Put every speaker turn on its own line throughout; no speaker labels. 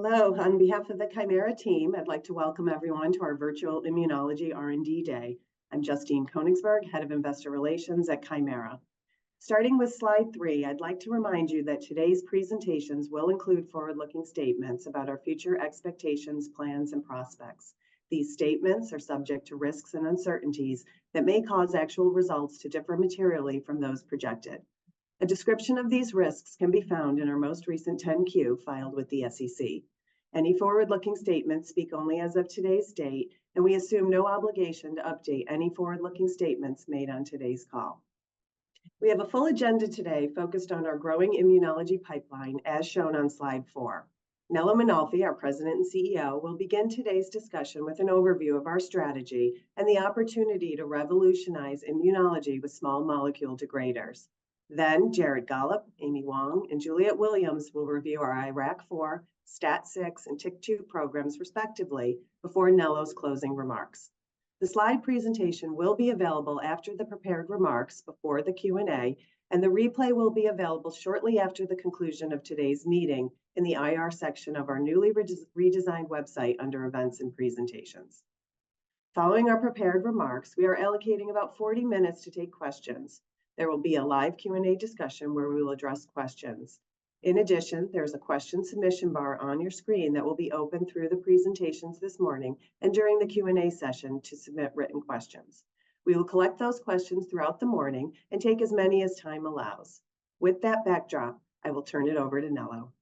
Hello. On behalf of the Kymera team, I'd like to welcome everyone to our virtual Immunology R&D Day. I'm Justine Koenigsberg, Head of Investor Relations at Kymera. Starting with slide three, I'd like to remind you that today's presentations will include forward-looking statements about our future expectations, plans, and prospects. These statements are subject to risks and uncertainties that may cause actual results to differ materially from those projected. A description of these risks can be found in our most recent 10-Q filed with the SEC. Any forward-looking statements speak only as of today's date, and we assume no obligation to update any forward-looking statements made on today's call. We have a full agenda today focused on our growing immunology pipeline, as shown on slide four. Nello Mainolfi, our President and CEO, will begin today's discussion with an overview of our strategy and the opportunity to revolutionize immunology with small molecule degraders. Then, Jared Gollob, Amy Wang, and Juliet Williams will review our IRAK4, STAT6, and TYK2 programs, respectively, before Nello's closing remarks. The slide presentation will be available after the prepared remarks before the Q&A, and the replay will be available shortly after the conclusion of today's meeting in the IR section of our newly redesigned website under Events and Presentations. Following our prepared remarks, we are allocating about 40 minutes to take questions. There will be a live Q&A discussion where we will address questions. In addition, there's a question submission bar on your screen that will be open through the presentations this morning and during the Q&A session to submit written questions. We will collect those questions throughout the morning and take as many as time allows. With that backdrop, I will turn it over to Nello.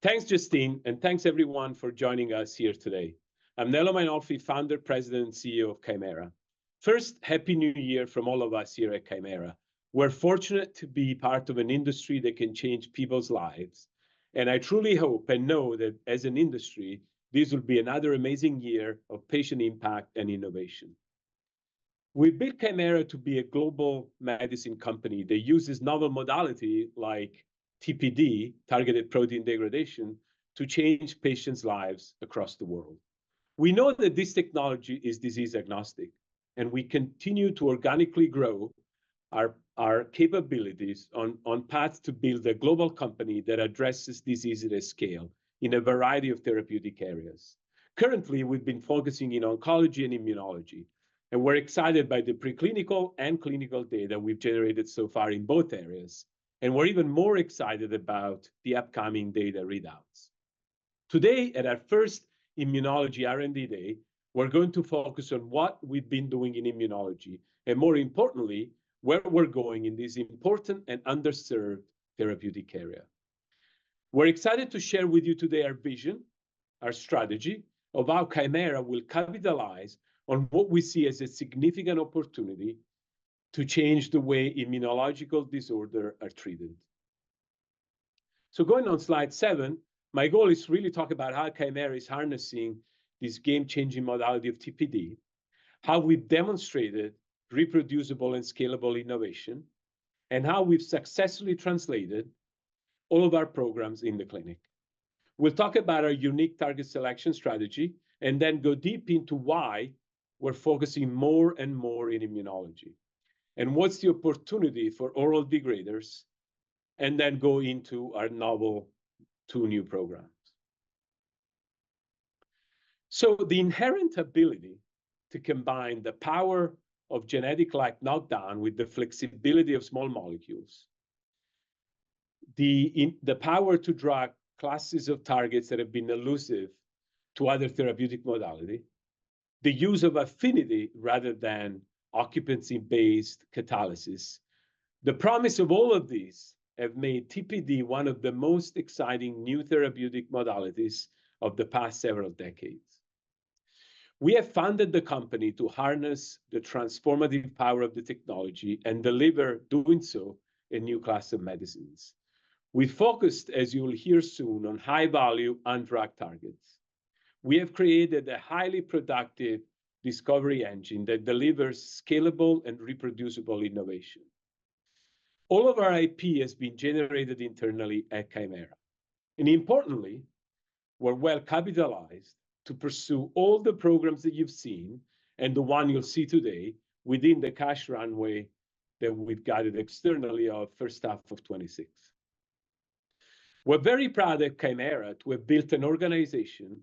Thanks, Justine, and thanks, everyone, for joining us here today. I'm Nello Mainolfi, Founder, President, and CEO of Kymera. First, Happy New Year from all of us here at Kymera. We're fortunate to be part of an industry that can change people's lives, and I truly hope and know that as an industry, this will be another amazing year of patient impact and innovation. We built Kymera to be a global medicine company that uses novel modality like TPD, targeted protein degradation, to change patients' lives across the world. We know that this technology is disease agnostic, and we continue to organically grow our capabilities on path to build a global company that addresses disease at a scale in a variety of therapeutic areas. Currently, we've been focusing in oncology and immunology, and we're excited by the preclinical and clinical data we've generated so far in both areas, and we're even more excited about the upcoming data readouts. Today, at our first Immunology R&D Day, we're going to focus on what we've been doing in immunology, and more importantly, where we're going in this important and underserved therapeutic area. We're excited to share with you today our vision, our strategy of how Kymera will capitalize on what we see as a significant opportunity to change the way immunological disorder are treated. So going on slide seven, my goal is to really talk about how Kymera is harnessing this game-changing modality of TPD, how we've demonstrated reproducible and scalable innovation, and how we've successfully translated all of our programs in the clinic. We'll talk about our unique target selection strategy, and then go deep into why we're focusing more and more in immunology, and what's the opportunity for oral degraders, and then go into our novel two new programs. So the inherent ability to combine the power of genetic, like, knockdown with the flexibility of small molecules, the power to drug classes of targets that have been elusive to other therapeutic modality, the use of affinity rather than occupancy-based catalysis, the promise of all of these have made TPD one of the most exciting new therapeutic modalities of the past several decades. We have founded the company to harness the transformative power of the technology and deliver, doing so, a new class of medicines. We focused, as you will hear soon, on high-value undrugged targets. We have created a highly productive discovery engine that delivers scalable and reproducible innovation. All of our IP has been generated internally at Kymera, and importantly, we're well capitalized to pursue all the programs that you've seen, and the one you'll see today, within the cash runway that we've guided externally of first half of 2026. We're very proud at Kymera to have built an organization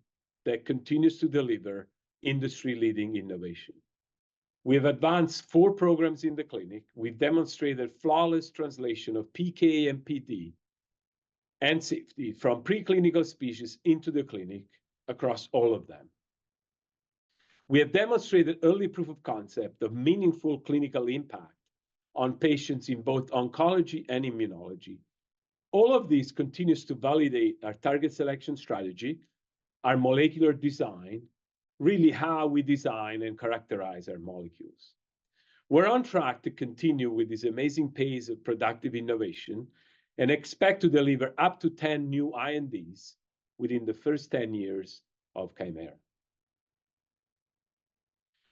that continues to deliver industry-leading innovation. We have advanced four programs in the clinic. We've demonstrated flawless translation of PK and PD and safety from preclinical species into the clinic across all of them. We have demonstrated early proof of concept of meaningful clinical impact on patients in both oncology and immunology. All of this continues to validate our target selection strategy, our molecular design, really how we design and characterize our molecules. We're on track to continue with this amazing pace of productive innovation and expect to deliver up to 10 new INDs within the first 10 years of Kymera.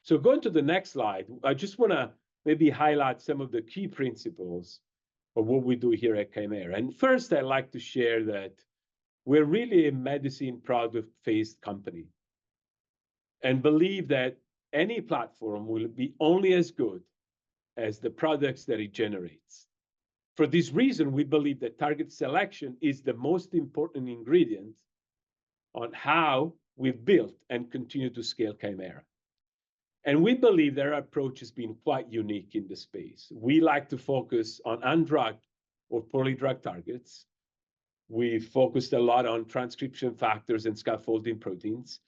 So going to the next slide, I just wanna maybe highlight some of the key principles of what we do here at Kymera. And first, I'd like to share that we're really a medicine product-focused company... and believe that any platform will be only as good as the products that it generates. For this reason, we believe that target selection is the most important ingredient on how we've built and continue to scale Kymera. And we believe their approach has been quite unique in the space. We like to focus on undrugged or poorly drugged targets. We focused a lot on transcription factors and scaffolding proteins,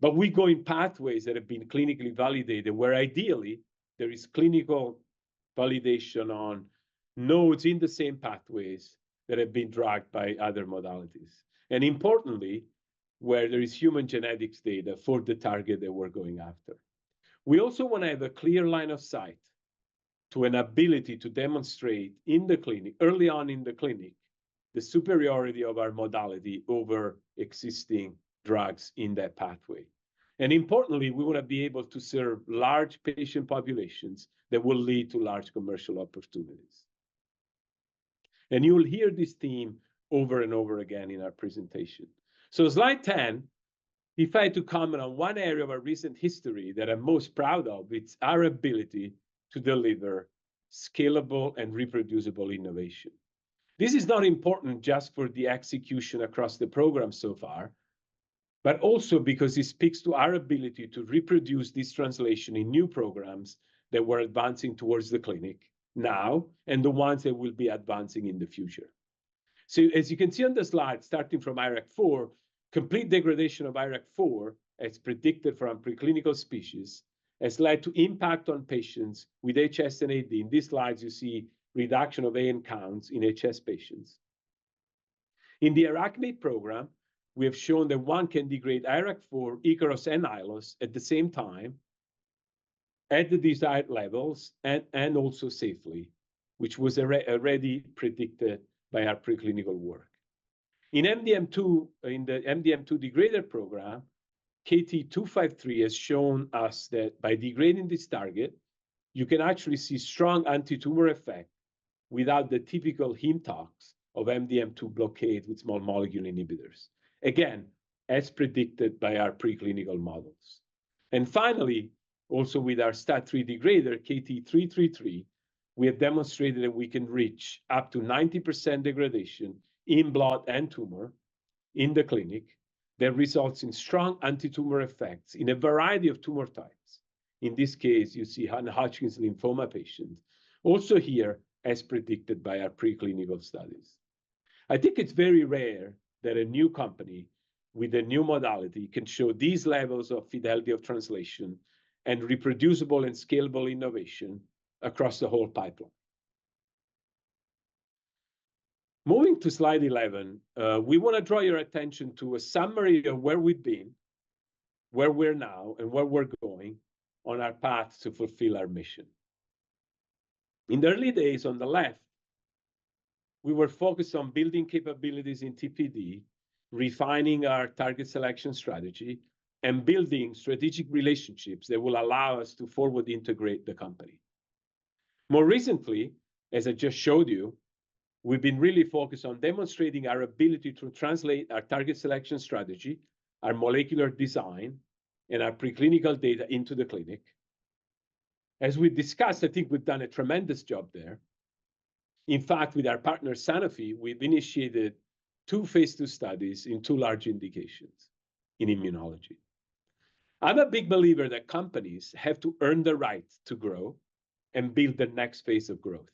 but we go in pathways that have been clinically validated, where ideally, there is clinical validation on nodes in the same pathways that have been drugged by other modalities, and importantly, where there is human genetics data for the target that we're going after. We also wanna have a clear line of sight to an ability to demonstrate in the clinic, early on in the clinic, the superiority of our modality over existing drugs in that pathway. Importantly, we wanna be able to serve large patient populations that will lead to large commercial opportunities. You will hear this theme over and over again in our presentation. Slide 10, if I had to comment on one area of our recent history that I'm most proud of, it's our ability to deliver scalable and reproducible innovation. This is not important just for the execution across the program so far, but also because it speaks to our ability to reproduce this translation in new programs that we're advancing towards the clinic now, and the ones that will be advancing in the future. So as you can see on the slide, starting from IRAK4, complete degradation of IRAK4, as predicted from preclinical species, has led to impact on patients with HS and AD. In these slides, you see reduction of AN counts in HS patients. In the IRAK4 program, we have shown that one can degrade IRAK4, Ikaros, and Aiolos at the same time, at the desired levels, and also safely, which was already predicted by our preclinical work. In MDM2, in the MDM2 degrader program, KT-253 has shown us that by degrading this target, you can actually see strong antitumor effect without the typical hem tox of MDM2 blockade with small molecule inhibitors. Again, as predicted by our preclinical models. And finally, also with our STAT3 degrader, KT-333, we have demonstrated that we can reach up to 90% degradation in blood and tumor in the clinic, that results in strong antitumor effects in a variety of tumor types. In this case, you see in a Hodgkin lymphoma patient, also here, as predicted by our preclinical studies. I think it's very rare that a new company with a new modality can show these levels of fidelity of translation and reproducible and scalable innovation across the whole pipeline. Moving to slide 11, we wanna draw your attention to a summary of where we've been, where we're now, and where we're going on our path to fulfill our mission. In the early days, on the left, we were focused on building capabilities in TPD, refining our target selection strategy, and building strategic relationships that will allow us to forward integrate the company. More recently, as I just showed you, we've been really focused on demonstrating our ability to translate our target selection strategy, our molecular design, and our preclinical data into the clinic. As we've discussed, I think we've done a tremendous job there. In fact, with our partner, Sanofi, we've initiated two phase II studies in two large indications in immunology. I'm a big believer that companies have to earn the right to grow and build the next phase of growth.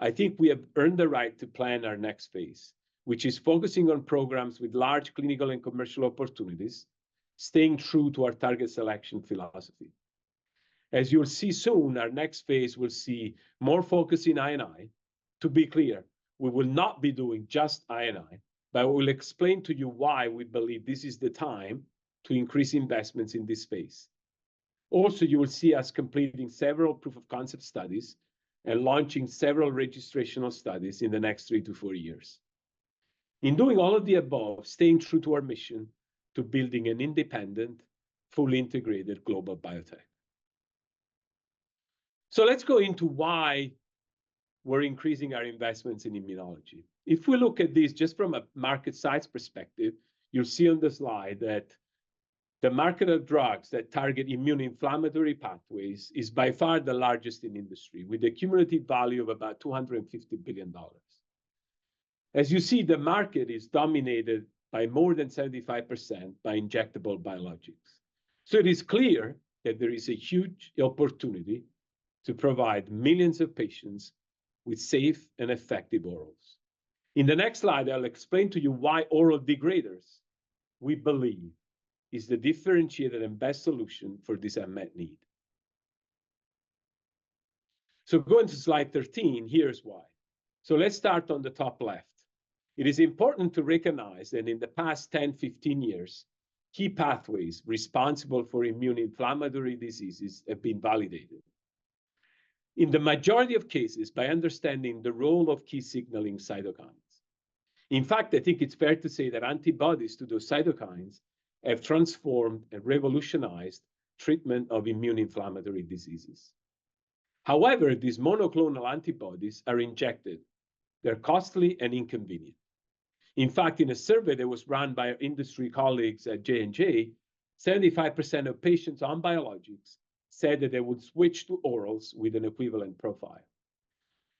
I think we have earned the right to plan our next phase, which is focusing on programs with large clinical and commercial opportunities, staying true to our target selection philosophy. As you'll see soon, our next phase will see more focus in I&I. To be clear, we will not be doing just I&I, but I will explain to you why we believe this is the time to increase investments in this space. Also, you will see us completing several proof of concept studies and launching several registrational studies in the next 3-4 years. In doing all of the above, staying true to our mission, to building an independent, fully integrated global biotech. So let's go into why we're increasing our investments in immunology. If we look at this just from a market size perspective, you'll see on the slide that the market of drugs that target immune inflammatory pathways is by far the largest in industry, with a cumulative value of about $250 billion. As you see, the market is dominated by more than 75% by injectable biologics. So it is clear that there is a huge opportunity to provide millions of patients with safe and effective orals. In the next slide, I'll explain to you why oral degraders, we believe, is the differentiated and best solution for this unmet need. So going to slide 13, here's why. So let's start on the top left. It is important to recognize that in the past 10, 15 years, key pathways responsible for immune inflammatory diseases have been validated, in the majority of cases, by understanding the role of key signaling cytokines. In fact, I think it's fair to say that antibodies to those cytokines have transformed and revolutionized treatment of immune inflammatory diseases. However, these monoclonal antibodies are injected. They're costly and inconvenient. In fact, in a survey that was run by our industry colleagues at J&J, 75% of patients on biologics said that they would switch to orals with an equivalent profile.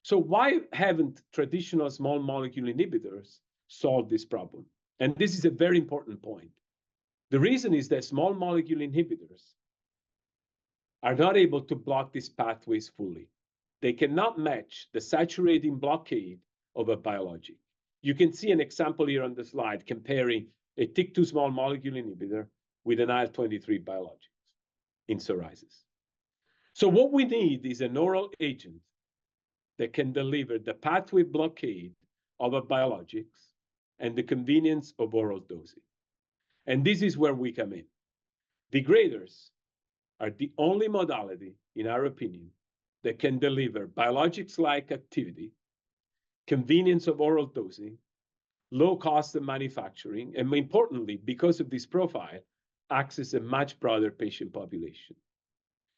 So why haven't traditional small molecule inhibitors solved this problem? And this is a very important point. The reason is that small molecule inhibitors are not able to block these pathways fully. They cannot match the saturating blockade of a biologic. You can see an example here on the slide comparing a TYK2 small molecule inhibitor with an IL-23 biologic in psoriasis. So what we need is an oral agent that can deliver the pathway blockade of a biologic and the convenience of oral dosing, and this is where we come in. Degraders are the only modality, in our opinion, that can deliver biologic-like activity, convenience of oral dosing, low cost of manufacturing, and importantly, because of this profile, access a much broader patient population.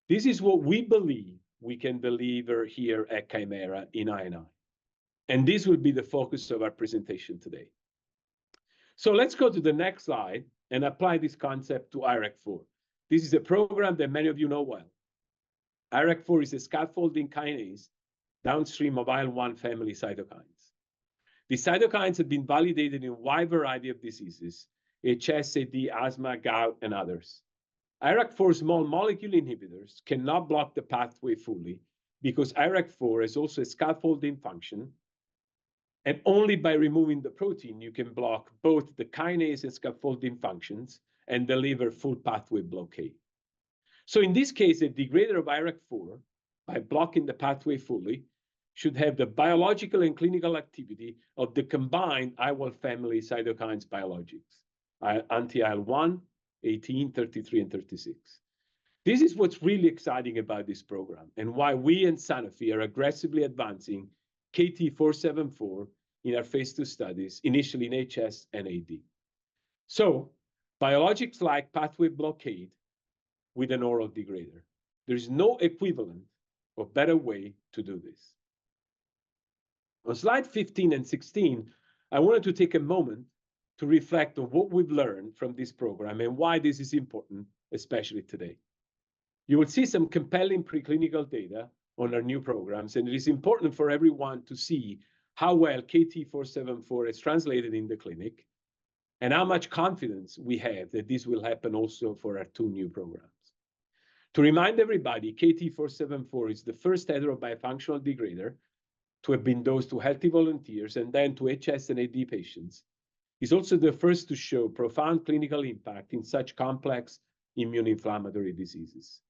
This is what we believe we can deliver here at Kymera in I&I, and this will be the focus of our presentation today. So let's go to the next slide and apply this concept to IRAK4. This is a program that many of you know well. IRAK4 is a scaffolding kinase downstream of IL-1 family cytokines. These cytokines have been validated in a wide variety of diseases: HS, AD, asthma, gout, and others. IRAK4 small molecule inhibitors cannot block the pathway fully because IRAK4 has also a scaffolding function, and only by removing the protein you can block both the kinase and scaffolding functions and deliver full pathway blockade. So in this case, a degrader of IRAK4, by blocking the pathway fully, should have the biological and clinical activity of the combined IL-1 family cytokines biologics, anti-IL-1, 18, 33, and 36. This is what's really exciting about this program and why we and Sanofi are aggressively advancing KT474 in our phase II studies, initially in HS and AD. So biologics-like pathway blockade with an oral degrader. There is no equivalent or better way to do this. On slide 15 and 16, I wanted to take a moment to reflect on what we've learned from this program and why this is important, especially today. You will see some compelling preclinical data on our new programs, and it is important for everyone to see how well KT-474 has translated in the clinic and how much confidence we have that this will happen also for our two new programs. To remind everybody, KT-474 is the first heterobifunctional degrader to have been dosed to healthy volunteers and then to HS and AD patients. It's also the first to show profound clinical impact in such complex immune inflammatory diseases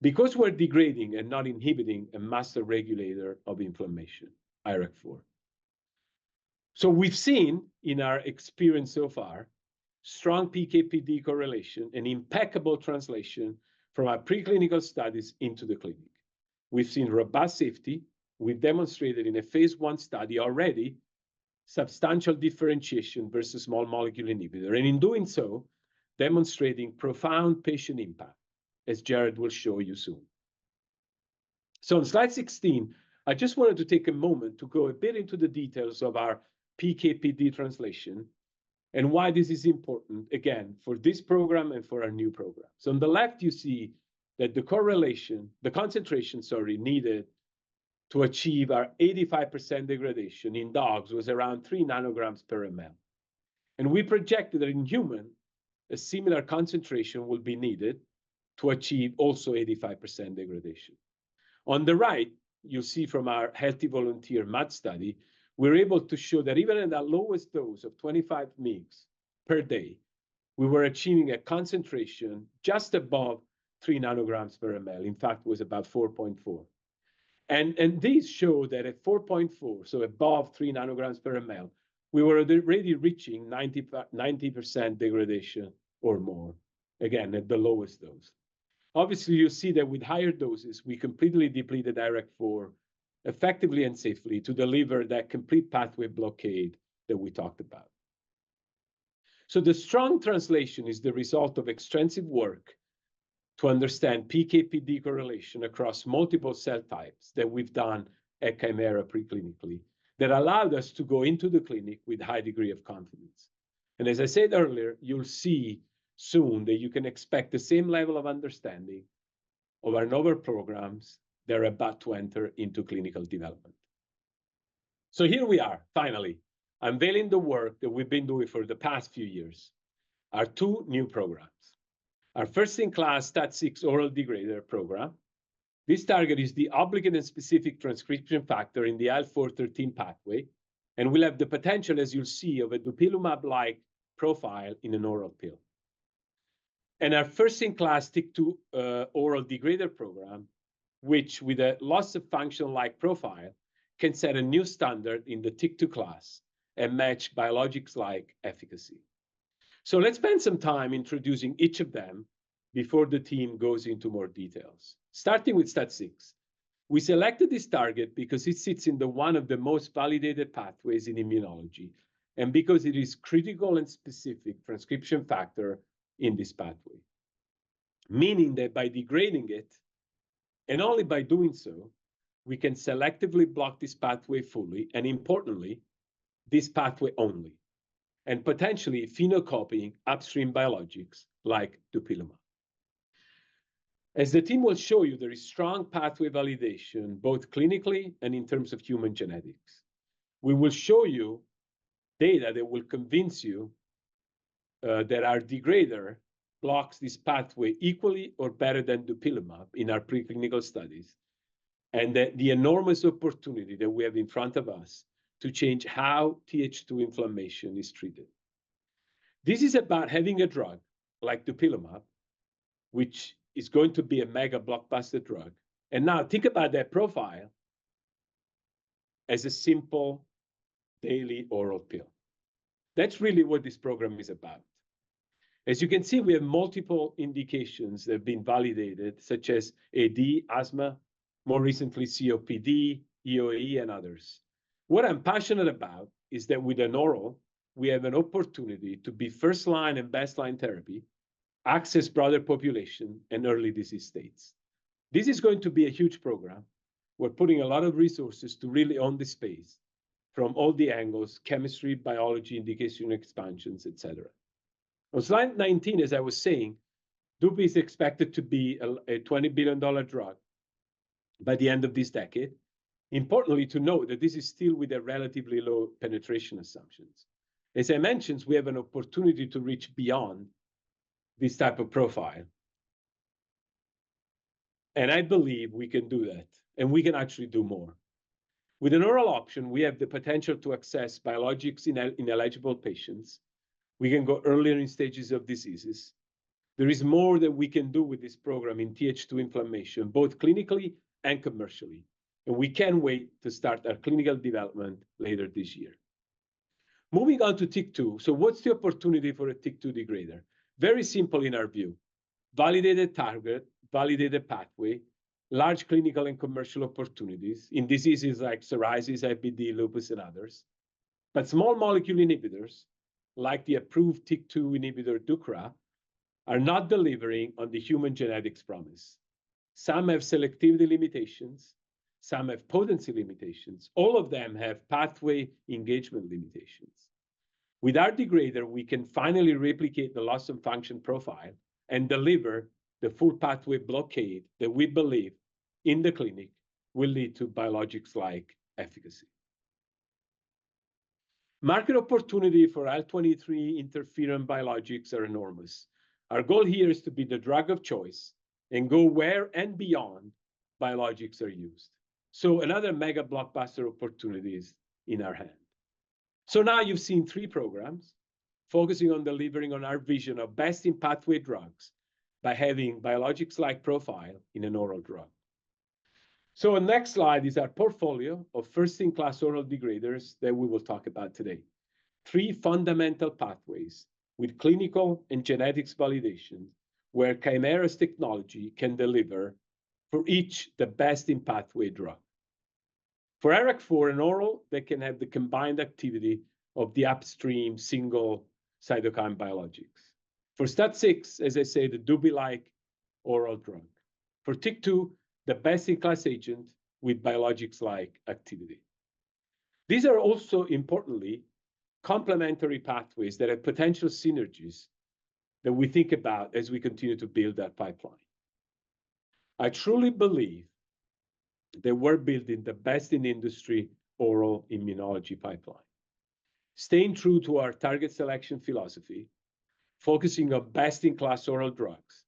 because we're degrading and not inhibiting a master regulator of inflammation, IRAK4. So we've seen in our experience so far, strong PK/PD correlation and impeccable translation from our preclinical studies into the clinic. We've seen robust safety. We've demonstrated in a phase 1 study already substantial differentiation versus small molecule inhibitor, and in doing so, demonstrating profound patient impact, as Jared will show you soon. So on slide 16, I just wanted to take a moment to go a bit into the details of our PK/PD translation and why this is important, again, for this program and for our new programs. So on the left, you see that the correlation... the concentration, sorry, needed to achieve our 85% degradation in dogs was around 3 nanograms per mL, and we projected that in human, a similar concentration will be needed to achieve also 85% degradation. On the right, you'll see from our healthy volunteer MAD study, we're able to show that even in the lowest dose of 25 mg per day, we were achieving a concentration just above 3 nanograms per mL. In fact, it was about 4.4. And these show that at 4.4, so above 3 nanograms per mL, we were already reaching 90% degradation or more, again, at the lowest dose. Obviously, you see that with higher doses, we completely depleted IRAK4 effectively and safely to deliver that complete pathway blockade that we talked about. So the strong translation is the result of extensive work to understand PK/PD correlation across multiple cell types that we've done at Kymera preclinically, that allowed us to go into the clinic with a high degree of confidence. And as I said earlier, you'll see soon that you can expect the same level of understanding of our novel programs that are about to enter into clinical development. So here we are, finally, unveiling the work that we've been doing for the past few years, our two new programs. Our first-in-class STAT6 oral degrader program. This target is the obligate and specific transcription factor in the IL-4/IL-13 pathway and will have the potential, as you'll see, of a dupilumab-like profile in an oral pill. And our first-in-class TYK2 oral degrader program, which with a loss-of-function-like profile, can set a new standard in the TYK2 class and match biologics-like efficacy. So let's spend some time introducing each of them before the team goes into more details. Starting with STAT6, we selected this target because it sits in one of the most validated pathways in immunology and because it is critical and specific transcription factor in this pathway. Meaning that by degrading it, and only by doing so, we can selectively block this pathway fully, and importantly, this pathway only, and potentially phenocopying upstream biologics like dupilumab. As the team will show you, there is strong pathway validation, both clinically and in terms of human genetics. We will show you data that will convince you that our degrader blocks this pathway equally or better than dupilumab in our preclinical studies, and that the enormous opportunity that we have in front of us to change how Th2 inflammation is treated. This is about having a drug like dupilumab, which is going to be a mega blockbuster drug, and now think about that profile as a simple daily oral pill. That's really what this program is about. As you can see, we have multiple indications that have been validated, such as AD, asthma, more recently COPD, EoE, and others. What I'm passionate about is that with an oral, we have an opportunity to be first line and best line therapy, access broader population, and early disease states. This is going to be a huge program. We're putting a lot of resources to really own the space from all the angles: chemistry, biology, indication, expansions, et cetera. On slide 19, as I was saying, dupilumab is expected to be a, a $20 billion drug by the end of this decade. Importantly to note, that this is still with a relatively low penetration assumptions. As I mentioned, we have an opportunity to reach beyond this type of profile. And I believe we can do that, and we can actually do more. With an oral option, we have the potential to access biologics-ineligible patients. We can go earlier in stages of diseases. There is more that we can do with this program in Th2 inflammation, both clinically and commercially, and we can't wait to start our clinical development later this year. Moving on to TYK2. So what's the opportunity for a TYK2 degrader? Very simple in our view: validated target, validated pathway, large clinical and commercial opportunities in diseases like psoriasis, IBD, lupus, and others. But small molecule inhibitors, like the approved TYK2 inhibitor, Sotyktu, are not delivering on the human genetics promise. Some have selectivity limitations, some have potency limitations, all of them have pathway engagement limitations. With our degrader, we can finally replicate the loss-of-function profile and deliver the full pathway blockade that we believe in the clinic will lead to biologics-like efficacy. Market opportunity for IL-23 interferon biologics are enormous. Our goal here is to be the drug of choice and go where and beyond biologics are used. So another mega blockbuster opportunity is in our hand. So now you've seen three programs focusing on delivering on our vision of best-in-pathway drugs by having biologics-like profile in an oral drug. So the next slide is our portfolio of first-in-class oral degraders that we will talk about today. Three fundamental pathways with clinical and genetics validation, where Kymera's technology can deliver, for each, the best-in-pathway drug. For IRAK4 in oral, they can have the combined activity of the upstream single cytokine biologics. For STAT6, as I said, the Dupi-like oral drug. For TYK2, the best-in-class agent with biologics-like activity. These are also, importantly, complementary pathways that have potential synergies that we think about as we continue to build our pipeline. I truly believe that we're building the best-in-industry oral immunology pipeline, staying true to our target selection philosophy, focusing on best-in-class oral drugs,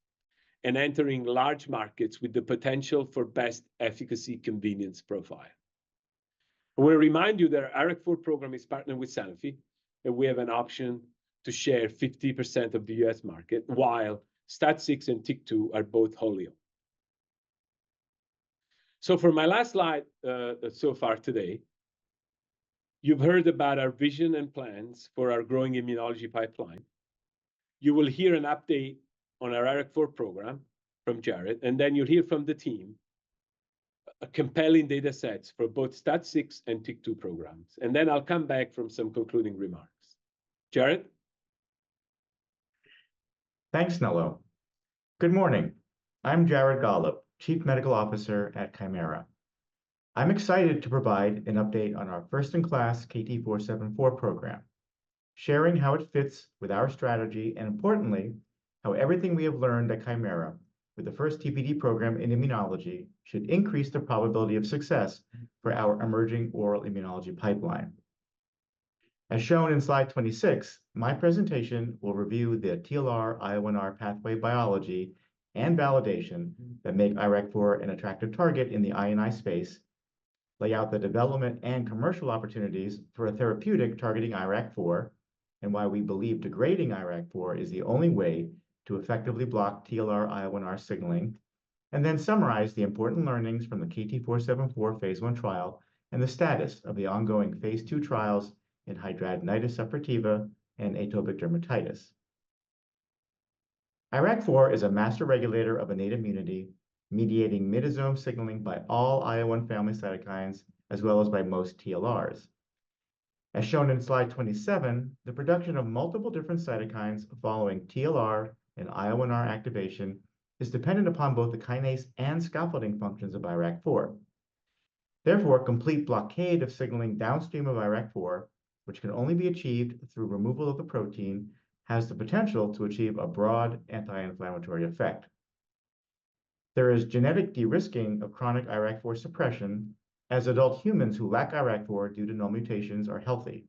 and entering large markets with the potential for best efficacy, convenience profile. I want to remind you that our IRAK-4 program is partnered with Sanofi, and we have an option to share 50% of the US market, while STAT6 and TYK2 are both wholly owned. For my last slide, so far today, you've heard about our vision and plans for our growing immunology pipeline. You will hear an update on our IRAK-4 program from Jared, and then you'll hear from the team, compelling data sets for both STAT6 and TYK2 programs, and then I'll come back for some concluding remarks. Jared?
Thanks, Nello. Good morning. I'm Jared Gollob, Chief Medical Officer at Kymera. I'm excited to provide an update on our first-in-class KT-474 program, sharing how it fits with our strategy, and importantly, how everything we have learned at Kymera with the first TPD program in immunology should increase the probability of success for our emerging oral immunology pipeline. As shown in slide 26, my presentation will review the TLR/IL-1R pathway biology and validation that make IRAK-4 an attractive target in the innate immunity space, lay out the development and commercial opportunities for a therapeutic targeting IRAK-4, and why we believe degrading IRAK-4 is the only way to effectively block TLR/IL-1R signaling. Then summarize the important learnings from the KT-474 phase I trial and the status of the ongoing phase II trials in hidradenitis suppurativa and atopic dermatitis. IRAK4 is a master regulator of innate immunity, mediating myddosome signaling by all IL-1 family cytokines, as well as by most TLRs. As shown in slide 27, the production of multiple different cytokines following TLR and IL-1R activation is dependent upon both the kinase and scaffolding functions of IRAK4. Therefore, complete blockade of signaling downstream of IRAK4, which can only be achieved through removal of the protein, has the potential to achieve a broad anti-inflammatory effect. There is genetic de-risking of chronic IRAK4 suppression, as adult humans who lack IRAK4 due to null mutations are healthy.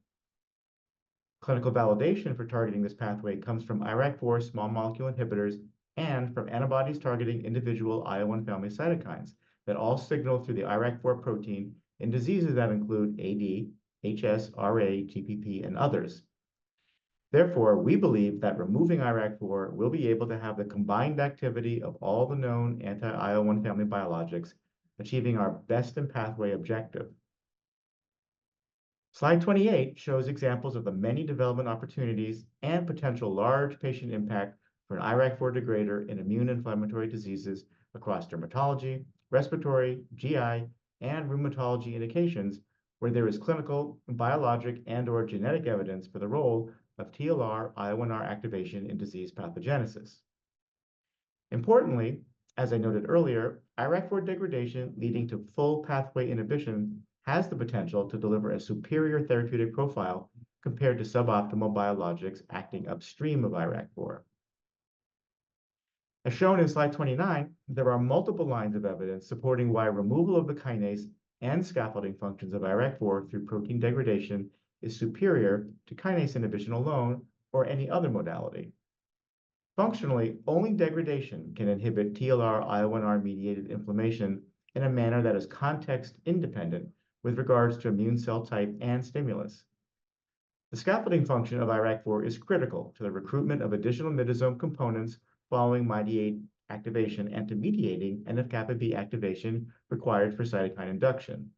Clinical validation for targeting this pathway comes from IRAK4 small molecule inhibitors and from antibodies targeting individual IL-1 family cytokines that all signal through the IRAK4 protein in diseases that include AD, HS, RA, TPP, and others. Therefore, we believe that removing IRAK-4 will be able to have the combined activity of all the known anti-IL-1 family biologics, achieving our best in pathway objective. Slide 28 shows examples of the many development opportunities and potential large patient impact for an IRAK-4 degrader in immune inflammatory diseases across dermatology, respiratory, GI, and rheumatology indications, where there is clinical, biologic, and/or genetic evidence for the role of TLR, IL-1R activation in disease pathogenesis. Importantly, as I noted earlier, IRAK-4 degradation leading to full pathway inhibition has the potential to deliver a superior therapeutic profile compared to suboptimal biologics acting upstream of IRAK-4. As shown in slide 29, there are multiple lines of evidence supporting why removal of the kinase and scaffolding functions of IRAK-4 through protein degradation is superior to kinase inhibition alone or any other modality. Functionally, only degradation can inhibit TLR/IL-1R-mediated inflammation in a manner that is context-independent with regards to immune cell type and stimulus. The scaffolding function of IRAK4 is critical to the recruitment of additional myddosome components following MyD88 activation and to mediating NF-kappaB activation required for cytokine induction.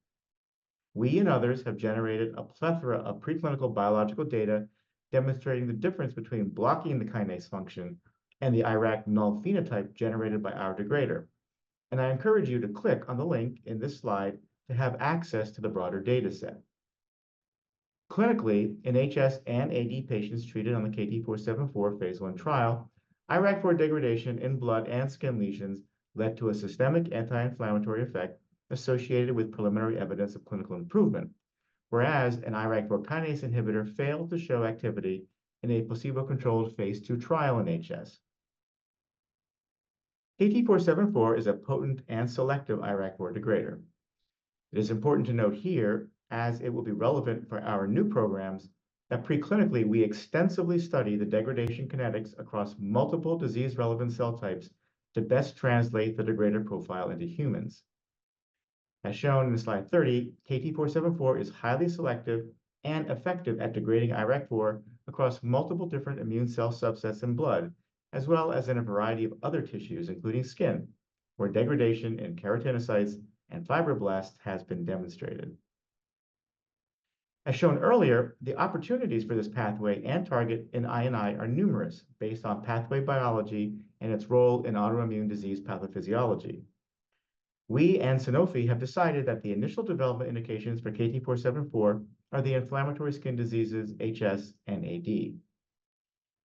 We and others have generated a plethora of preclinical biological data demonstrating the difference between blocking the kinase function and the IRAK null phenotype generated by our degrader, and I encourage you to click on the link in this slide to have access to the broader data set. Clinically, in HS and AD patients treated on the KT-474 phase I trial, IRAK4 degradation in blood and skin lesions led to a systemic anti-inflammatory effect associated with preliminary evidence of clinical improvement, whereas an IRAK4 kinase inhibitor failed to show activity in a placebo-controlled phase II trial in HS. KT-474 is a potent and selective IRAK4 degrader. It is important to note here, as it will be relevant for our new programs, that preclinically, we extensively study the degradation kinetics across multiple disease-relevant cell types to best translate the degrader profile into humans. As shown in slide 30, KT-474 is highly selective and effective at degrading IRAK4 across multiple different immune cell subsets in blood, as well as in a variety of other tissues, including skin, where degradation in keratinocytes and fibroblasts has been demonstrated. As shown earlier, the opportunities for this pathway and target in I&I are numerous, based on pathway biology and its role in autoimmune disease pathophysiology. We and Sanofi have decided that the initial development indications for KT-474 are the inflammatory skin diseases HS and AD.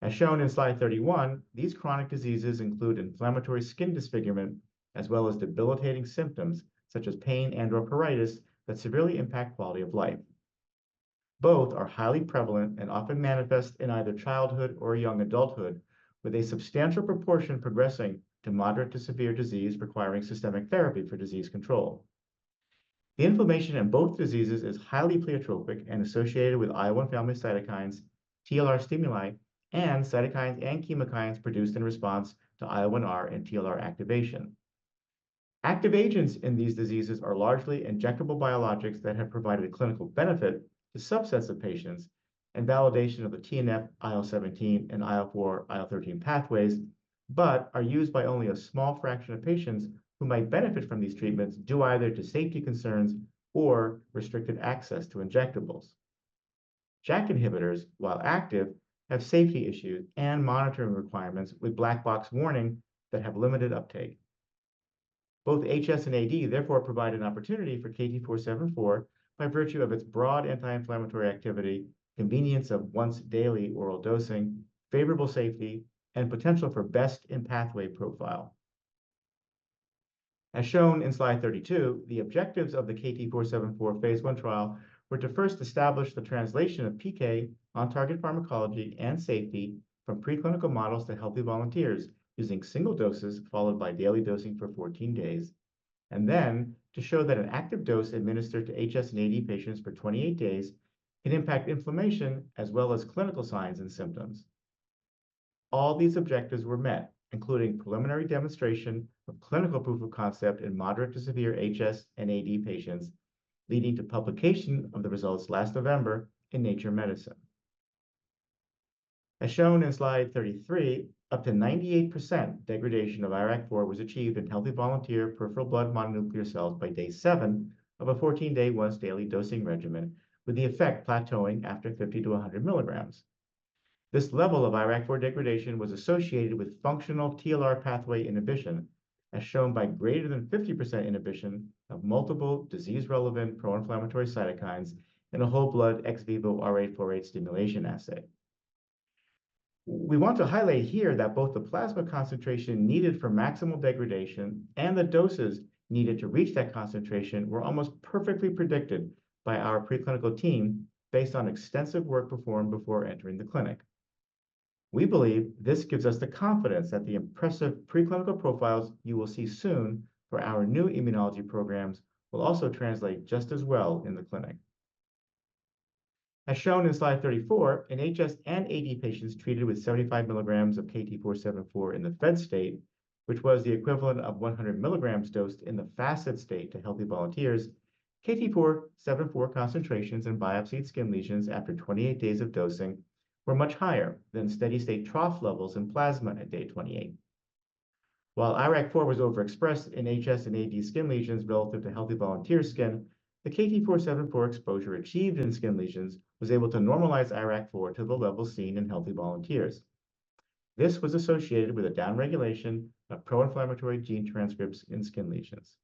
As shown in slide 31, these chronic diseases include inflammatory skin disfigurement, as well as debilitating symptoms such as pain and/or pruritus that severely impact quality of life. Both are highly prevalent and often manifest in either childhood or young adulthood, with a substantial proportion progressing to moderate to severe disease, requiring systemic therapy for disease control. The inflammation in both diseases is highly pleiotropic and associated with IL-1 family cytokines, TLR stimuli, and cytokines and chemokines produced in response to IL-1R and TLR activation. Active agents in these diseases are largely injectable biologics that have provided a clinical benefit to subsets of patients and validation of the TNF, IL-17, and IL-4/IL-13 pathways, but are used by only a small fraction of patients who might benefit from these treatments, due either to safety concerns or restricted access to injectables. JAK inhibitors, while active, have safety issues and monitoring requirements with black box warning that have limited uptake. Both HS and AD therefore provide an opportunity for KT474 by virtue of its broad anti-inflammatory activity, convenience of once-daily oral dosing, favorable safety, and potential for best in pathway profile. As shown in slide 32, the objectives of the KT474 phase I trial were to first establish the translation of PK on target pharmacology and safety from preclinical models to healthy volunteers, using single doses followed by daily dosing for 14 days, and then to show that an active dose administered to HS and AD patients for 28 days can impact inflammation as well as clinical signs and symptoms. All these objectives were met, including preliminary demonstration of clinical proof of concept in moderate to severe HS and AD patients, leading to publication of the results last November in Nature Medicine. As shown in slide 33, up to 98% degradation of IRAK4 was achieved in healthy volunteer peripheral blood mononuclear cells by day 7 of a 14-day once-daily dosing regimen, with the effect plateauing after 50-100 milligrams.... This level of IRAK4 degradation was associated with functional TLR pathway inhibition, as shown by greater than 50% inhibition of multiple disease-relevant pro-inflammatory cytokines in a whole blood ex vivo TLR4/8 stimulation assay. We want to highlight here that both the plasma concentration needed for maximal degradation and the doses needed to reach that concentration were almost perfectly predicted by our preclinical team based on extensive work performed before entering the clinic. We believe this gives us the confidence that the impressive preclinical profiles you will see soon for our new immunology programs will also translate just as well in the clinic. As shown in slide 34, in HS and AD patients treated with 75 milligrams of KT-474 in the fed state, which was the equivalent of 100 milligrams dosed in the fasted state to healthy volunteers, KT-474 concentrations in biopsied skin lesions after 28 days of dosing were much higher than steady-state trough levels in plasma at day 28. While IRAK4 was overexpressed in HS and AD skin lesions relative to healthy volunteer skin, the KT-474 exposure achieved in skin lesions was able to normalize IRAK4 to the level seen in healthy volunteers. This was associated with a downregulation of pro-inflammatory gene transcripts in skin lesions.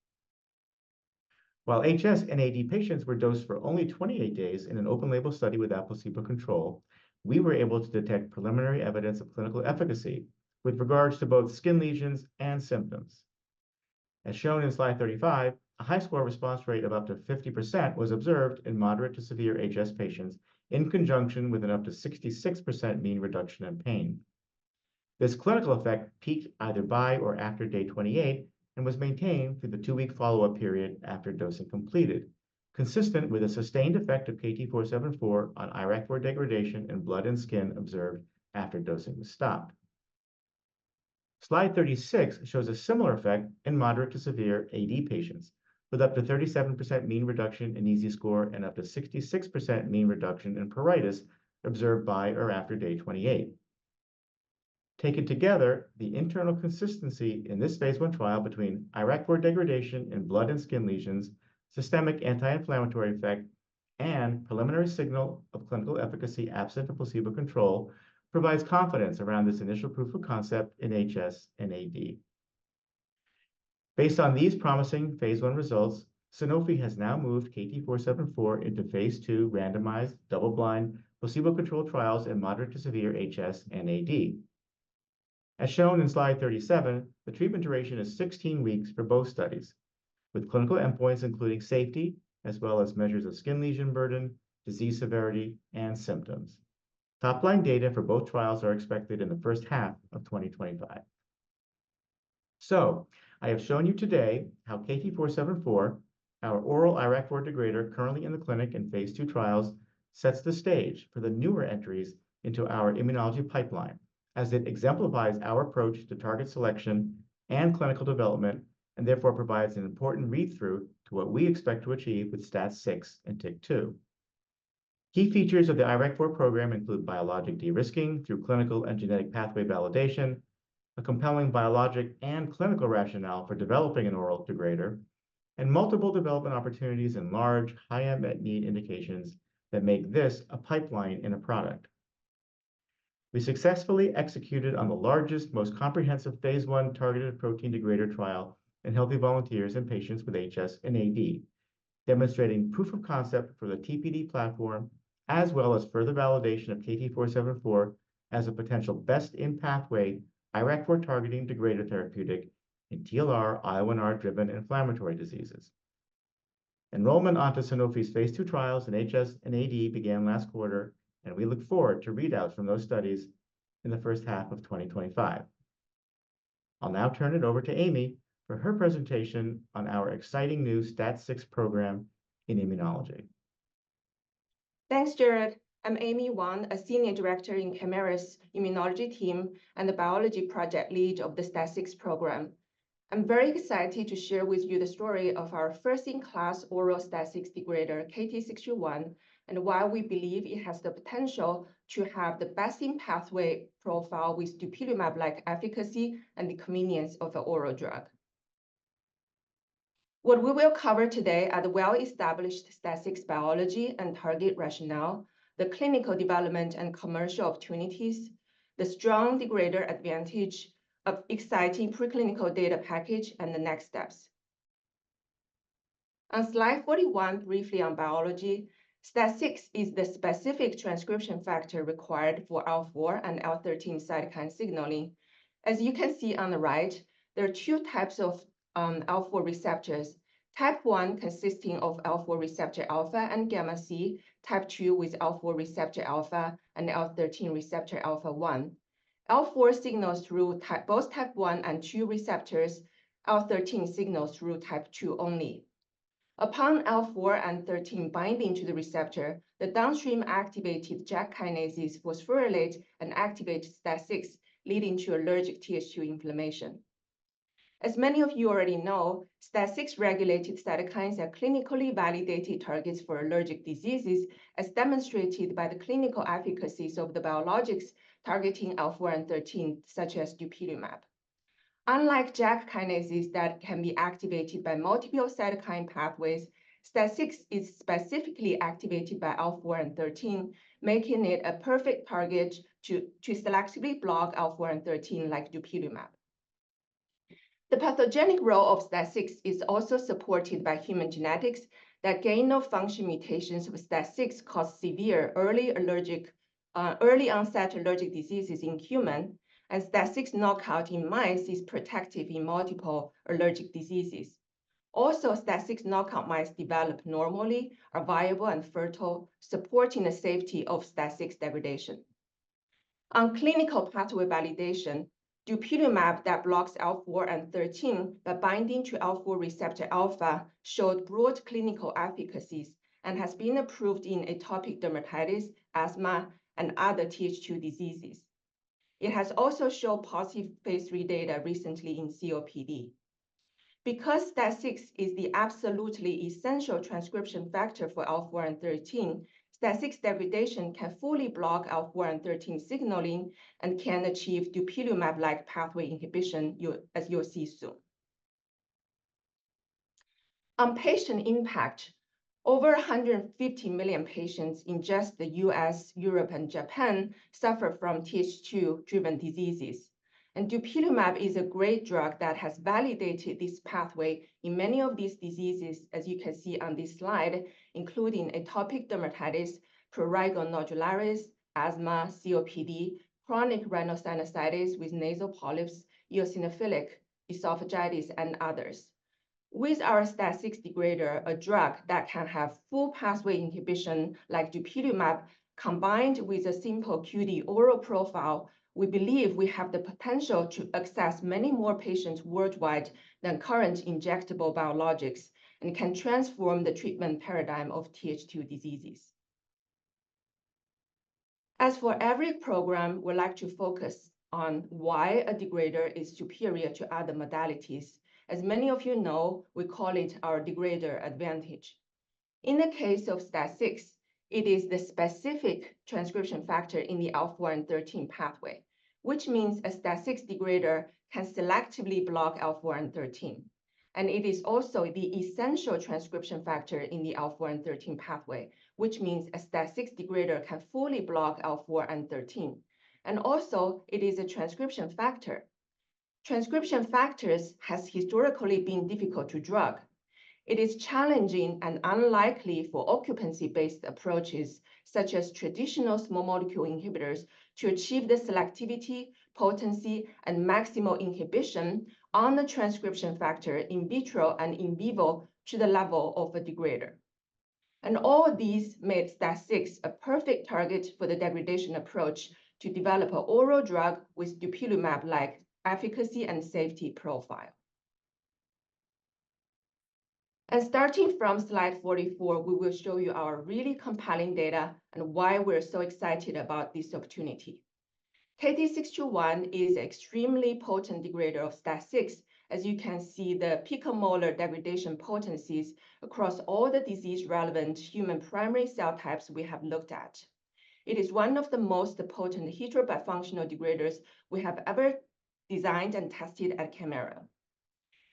While HS and AD patients were dosed for only 28 days in an open-label study with a placebo control, we were able to detect preliminary evidence of clinical efficacy with regards to both skin lesions and symptoms. As shown in slide 35, a high score response rate of up to 50% was observed in moderate to severe HS patients, in conjunction with an up to 66% mean reduction in pain. This clinical effect peaked either by or after day 28 and was maintained through the 2-week follow-up period after dosing completed, consistent with a sustained effect of KT-474 on IRAK4 degradation in blood and skin observed after dosing was stopped. Slide 36 shows a similar effect in moderate to severe AD patients, with up to 37% mean reduction in EASI score and up to 66% mean reduction in pruritus observed by or after day 28. Taken together, the internal consistency in this phase 1 trial between IRAK4 degradation in blood and skin lesions, systemic anti-inflammatory effect, and preliminary signal of clinical efficacy absent a placebo control, provides confidence around this initial proof of concept in HS and AD. Based on these promising phase 1 results, Sanofi has now moved KT-474 into phase 2 randomized, double-blind, placebo-controlled trials in moderate to severe HS and AD. As shown in slide 37, the treatment duration is 16 weeks for both studies, with clinical endpoints including safety, as well as measures of skin lesion burden, disease severity, and symptoms. Top line data for both trials are expected in the first half of 2025. I have shown you today how KT-474, our oral IRAK4 degrader currently in the clinic in phase 2 trials, sets the stage for the newer entries into our immunology pipeline, as it exemplifies our approach to target selection and clinical development, and therefore provides an important read-through to what we expect to achieve with STAT6 and TYK2. Key features of the IRAK4 program include biologic de-risking through clinical and genetic pathway validation, a compelling biologic and clinical rationale for developing an oral degrader, and multiple development opportunities in large, high unmet need indications that make this a pipeline in a product. We successfully executed on the largest, most comprehensive phase 1 targeted protein degrader trial in healthy volunteers and patients with HS and AD, demonstrating proof of concept for the TPD platform, as well as further validation of KT-474 as a potential best-in pathway IRAK4 targeting degrader therapeutic in TLR/IL-1R-driven inflammatory diseases. Enrollment onto Sanofi's phase 2 trials in HS and AD began last quarter, and we look forward to readouts from those studies in the first half of 2025. I'll now turn it over to Amy for her presentation on our exciting new STAT6 program in immunology.
Thanks, Jared. I'm Amy Wang, a senior director in Kymera's Immunology team and the biology project lead of the STAT6 program. I'm very excited to share with you the story of our first-in-class oral STAT6 degrader, KT-621, and why we believe it has the potential to have the best-in-pathway profile with dupilumab-like efficacy and the convenience of a oral drug. What we will cover today are the well-established STAT6 biology and target rationale, the clinical development and commercial opportunities, the strong degrader advantage of exciting preclinical data package, and the next steps. On slide 41, briefly on biology, STAT6 is the specific transcription factor required for IL-4 and IL-13 cytokine signaling. As you can see on the right, there are two types of IL-4 receptors: type one, consisting of IL-4 receptor alpha and gamma C; type two, with IL-4 receptor alpha and IL-13 receptor alpha one. IL-4 signals through type... both type 1 and 2 receptors. IL-13 signals through type 2 only. Upon IL-4 and 13 binding to the receptor, the downstream activated JAK kinases phosphorylate and activate STAT6, leading to allergic Th2 inflammation. As many of you already know, STAT6-regulated cytokines are clinically validated targets for allergic diseases, as demonstrated by the clinical efficacies of the biologics targeting IL-4 and 13, such as dupilumab.... Unlike JAK kinases that can be activated by multiple cytokine pathways, STAT6 is specifically activated by IL-4 and 13, making it a perfect target to selectively block IL-4 and 13, like dupilumab. The pathogenic role of STAT6 is also supported by human genetics, that gain-of-function mutations with STAT6 cause severe early allergic, early onset allergic diseases in human, and STAT6 knockout in mice is protective in multiple allergic diseases. Also, STAT6 knockout mice develop normally, are viable and fertile, supporting the safety of STAT6 degradation. On clinical pathway validation, dupilumab that blocks IL-4 and 13, by binding to IL-4 receptor alpha, showed broad clinical efficacies, and has been approved in atopic dermatitis, asthma, and other Th2 diseases. It has also shown positive phase three data recently in COPD. Because STAT6 is the absolutely essential transcription factor for IL-4 and 13, STAT6 degradation can fully block IL-4 and 13 signaling, and can achieve dupilumab-like pathway inhibition, as you'll see soon. On patient impact, over 150 million patients in just the U.S., Europe, and Japan suffer from Th2-driven diseases, and dupilumab is a great drug that has validated this pathway in many of these diseases, as you can see on this slide, including atopic dermatitis, prurigo nodularis, asthma, COPD, chronic rhinosinusitis with nasal polyps, eosinophilic esophagitis, and others. With our STAT6 degrader, a drug that can have full pathway inhibition like dupilumab, combined with a simple QD oral profile, we believe we have the potential to access many more patients worldwide than current injectable biologics, and can transform the treatment paradigm of Th2 diseases. As for every program, we'd like to focus on why a degrader is superior to other modalities. As many of you know, we call it our degrader advantage. In the case of STAT6, it is the specific transcription factor in the IL-4 and 13 pathway, which means a STAT6 degrader can selectively block IL-4 and 13. It is also the essential transcription factor in the IL-4 and 13 pathway, which means a STAT6 degrader can fully block IL-4 and 13, and also it is a transcription factor. Transcription factors has historically been difficult to drug. It is challenging and unlikely for occupancy-based approaches, such as traditional small molecule inhibitors, to achieve the selectivity, potency, and maximal inhibition on the transcription factor in vitro and in vivo to the level of a degrader. All these make STAT6 a perfect target for the degradation approach to develop an oral drug with dupilumab-like efficacy and safety profile. Starting from slide 44, we will show you our really compelling data and why we're so excited about this opportunity. KT621 is extremely potent degrader of STAT6. As you can see, the picomolar degradation potencies across all the disease-relevant human primary cell types we have looked at. It is one of the most potent hetero-bifunctional degraders we have ever designed and tested at Kymera.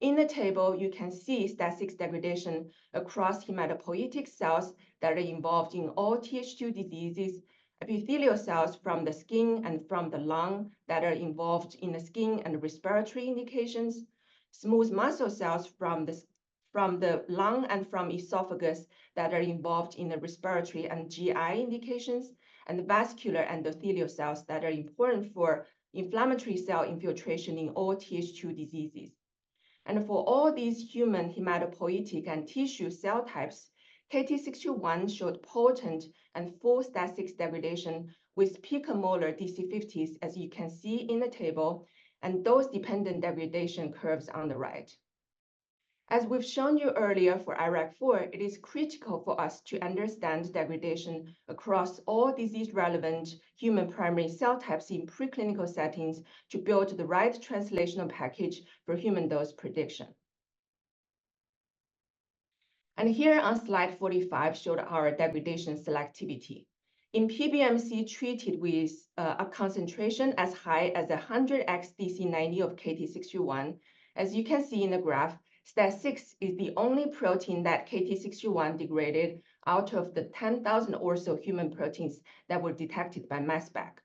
In the table, you can see STAT6 degradation across hematopoietic cells that are involved in all Th2 diseases, epithelial cells from the skin and from the lung that are involved in the skin and respiratory indications, smooth muscle cells from the lung and from esophagus that are involved in the respiratory and GI indications, and the vascular endothelial cells that are important for inflammatory cell infiltration in all Th2 diseases. For all these human hematopoietic and tissue cell types, KT-621 showed potent and full STAT6 degradation with picomolar DC50s, as you can see in the table, and those dependent degradation curves on the right. As we've shown you earlier, for IRAK4, it is critical for us to understand degradation across all disease-relevant human primary cell types in preclinical settings to build the right translational package for human dose prediction. Here on slide 45, showed our degradation selectivity. In PBMC treated with a concentration as high as 100x DC90 of KT-621, as you can see in the graph, STAT6 is the only protein that KT-621 degraded out of the 10,000 or so human proteins that were detected by mass spec.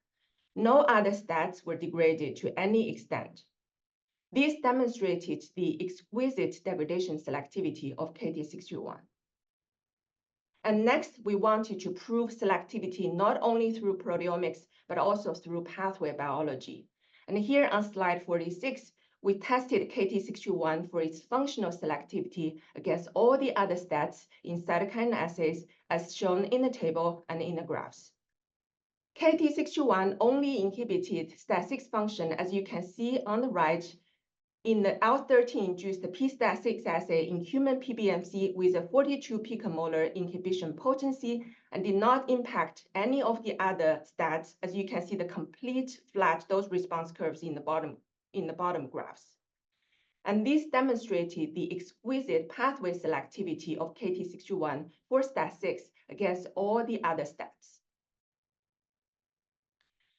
No other STATs were degraded to any extent. This demonstrated the exquisite degradation selectivity of KT-621. Next, we wanted to prove selectivity not only through proteomics, but also through pathway biology. Here on slide 46, we tested KT-621 for its functional selectivity against all the other STATs in cytokine assays, as shown in the table and in the graphs. KT-621 only inhibited STAT6 function, as you can see on the right, in the IL-13-induced pSTAT6 assay in human PBMC with a 42 picomolar inhibition potency and did not impact any of the other STATs, as you can see the complete flat, those response curves in the bottom, in the bottom graphs. This demonstrated the exquisite pathway selectivity of KT-621 for STAT6 against all the other STATs.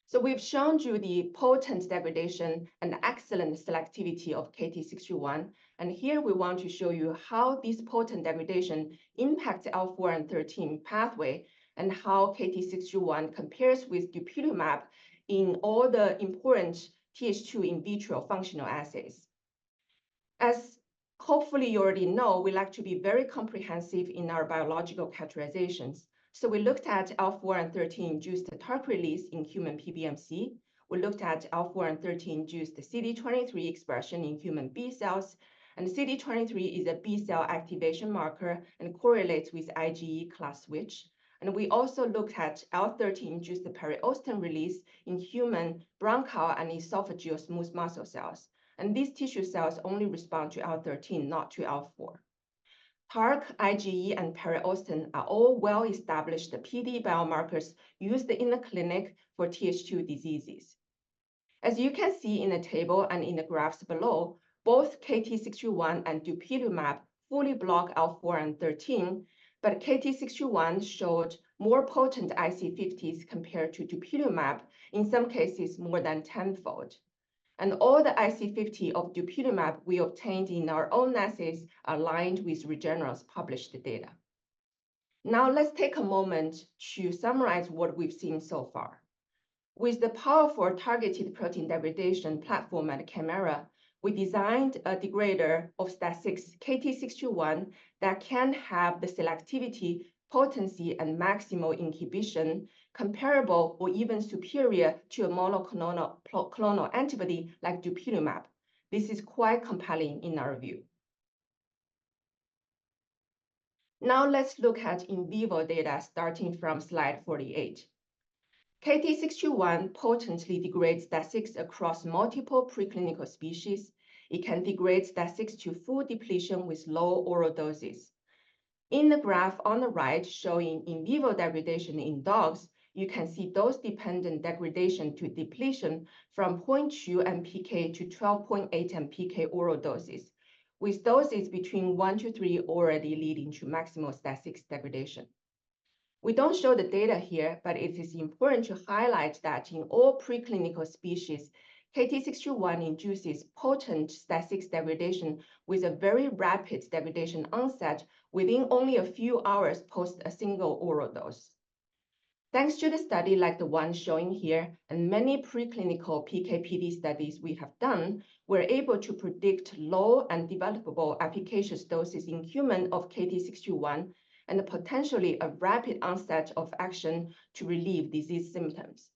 So we've shown you the potent degradation and excellent selectivity of KT-621, and here we want to show you how this potent degradation impacts IL-4 and IL-13 pathway, and how KT-621 compares with dupilumab in all the important Th2 in vitro functional assays. As hopefully you already know, we like to be very comprehensive in our biological characterizations. So we looked at IL-4 and IL-13-induced TARC release in human PBMC. We looked at IL-4 and IL-13-induced CD23 expression in human B cells, and CD23 is a B cell activation marker and correlates with IgE class switch. And we also looked at IL-13-induced periostin release in human bronchoalveolar and esophageal smooth muscle cells. And these tissue cells only respond to IL-13, not to IL-4. TARC, IgE, and periostin are all well-established PD biomarkers used in the clinic for Th2 diseases. As you can see in the table and in the graphs below, both KT-621 and dupilumab fully block IL-4 and IL-13, but KT-621 showed more potent IC50s compared to dupilumab, in some cases more than tenfold. And all the IC50 of dupilumab we obtained in our own assays are aligned with Regeneron's published data. Now, let's take a moment to summarize what we've seen so far. With the powerful targeted protein degradation platform at Kymera, we designed a degrader of STAT6, KT-621, that can have the selectivity, potency, and maximal inhibition, comparable or even superior to a monoclonal antibody like dupilumab. This is quite compelling in our view. Now let's look at in vivo data starting from slide 48. KT-621 potently degrades STAT6 across multiple preclinical species. It can degrade STAT6 to full depletion with low oral doses. In the graph on the right, showing in vivo degradation in dogs, you can see dose-dependent degradation to depletion from 0.2 MPK to 12.8 MPK oral doses, with doses between 1-3 already leading to maximal STAT6 degradation. We don't show the data here, but it is important to highlight that in all preclinical species, KT-621 induces potent STAT6 degradation with a very rapid degradation onset within only a few hours post a single oral dose. Thanks to the study, like the one showing here, and many preclinical PK/PD studies we have done, we're able to predict low and developable efficacious doses in human of KT-621, and potentially a rapid onset of action to relieve disease symptoms.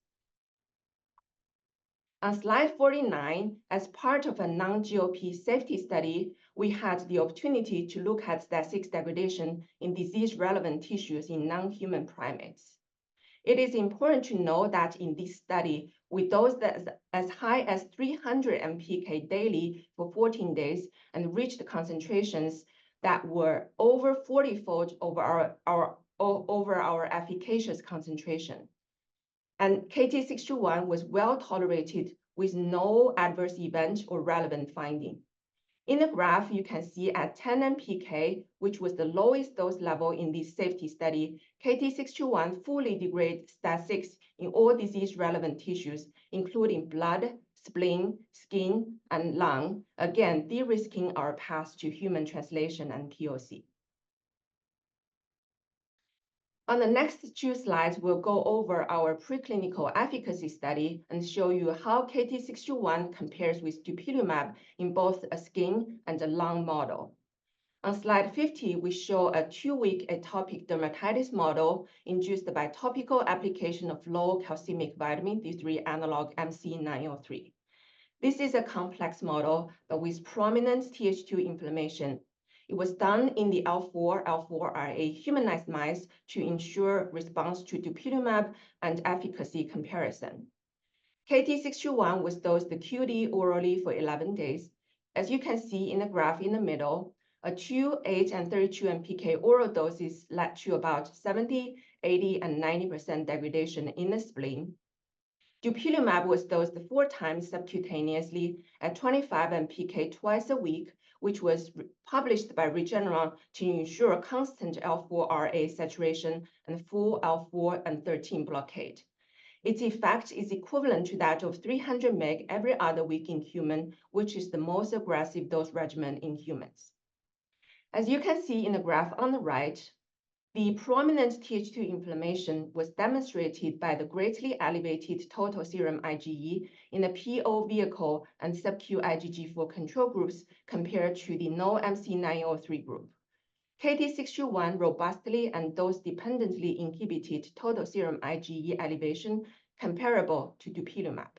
On slide 49, as part of a non-GLP safety study, we had the opportunity to look at STAT6 degradation in disease-relevant tissues in non-human primates. It is important to note that in this study, with a dose as high as 300 MPK daily for 14 days and reached concentrations that were over 40-fold over our efficacious concentration. KT-621 was well-tolerated, with no adverse event or relevant finding. In the graph, you can see at 10 MPK, which was the lowest dose level in this safety study, KT-621 fully degrades STAT6 in all disease-relevant tissues, including blood, spleen, skin, and lung. Again, de-risking our path to human translation and POC. On the next two slides, we'll go over our preclinical efficacy study and show you how KT-621 compares with dupilumab in both a skin and a lung model. On slide 50, we show a two-week atopic dermatitis model induced by topical application of low-calcemic vitamin D3 analog, MC903. This is a complex model, but with prominent Th2 inflammation. It was done in the IL-4, IL-4RA humanized mice to ensure response to dupilumab and efficacy comparison. KT-621 was dosed QD orally for 11 days. As you can see in the graph in the middle, a 2, 8, and 32 MPK oral doses led to about 70%, 80%, and 90% degradation in the spleen. Dupilumab was dosed 4 times subcutaneously at 25 MPK twice a week, which was republished by Regeneron to ensure constant IL-4RA saturation and full IL-4 and 13 blockade. Its effect is equivalent to that of 300 mg every other week in humans, which is the most aggressive dose regimen in humans. As you can see in the graph on the right, the prominent Th2 inflammation was demonstrated by the greatly elevated total serum IgE in the PO vehicle and subq IgG4 control groups, compared to the no MC903 group. KT-621 robustly and dose-dependently inhibited total serum IgE elevation, comparable to dupilumab.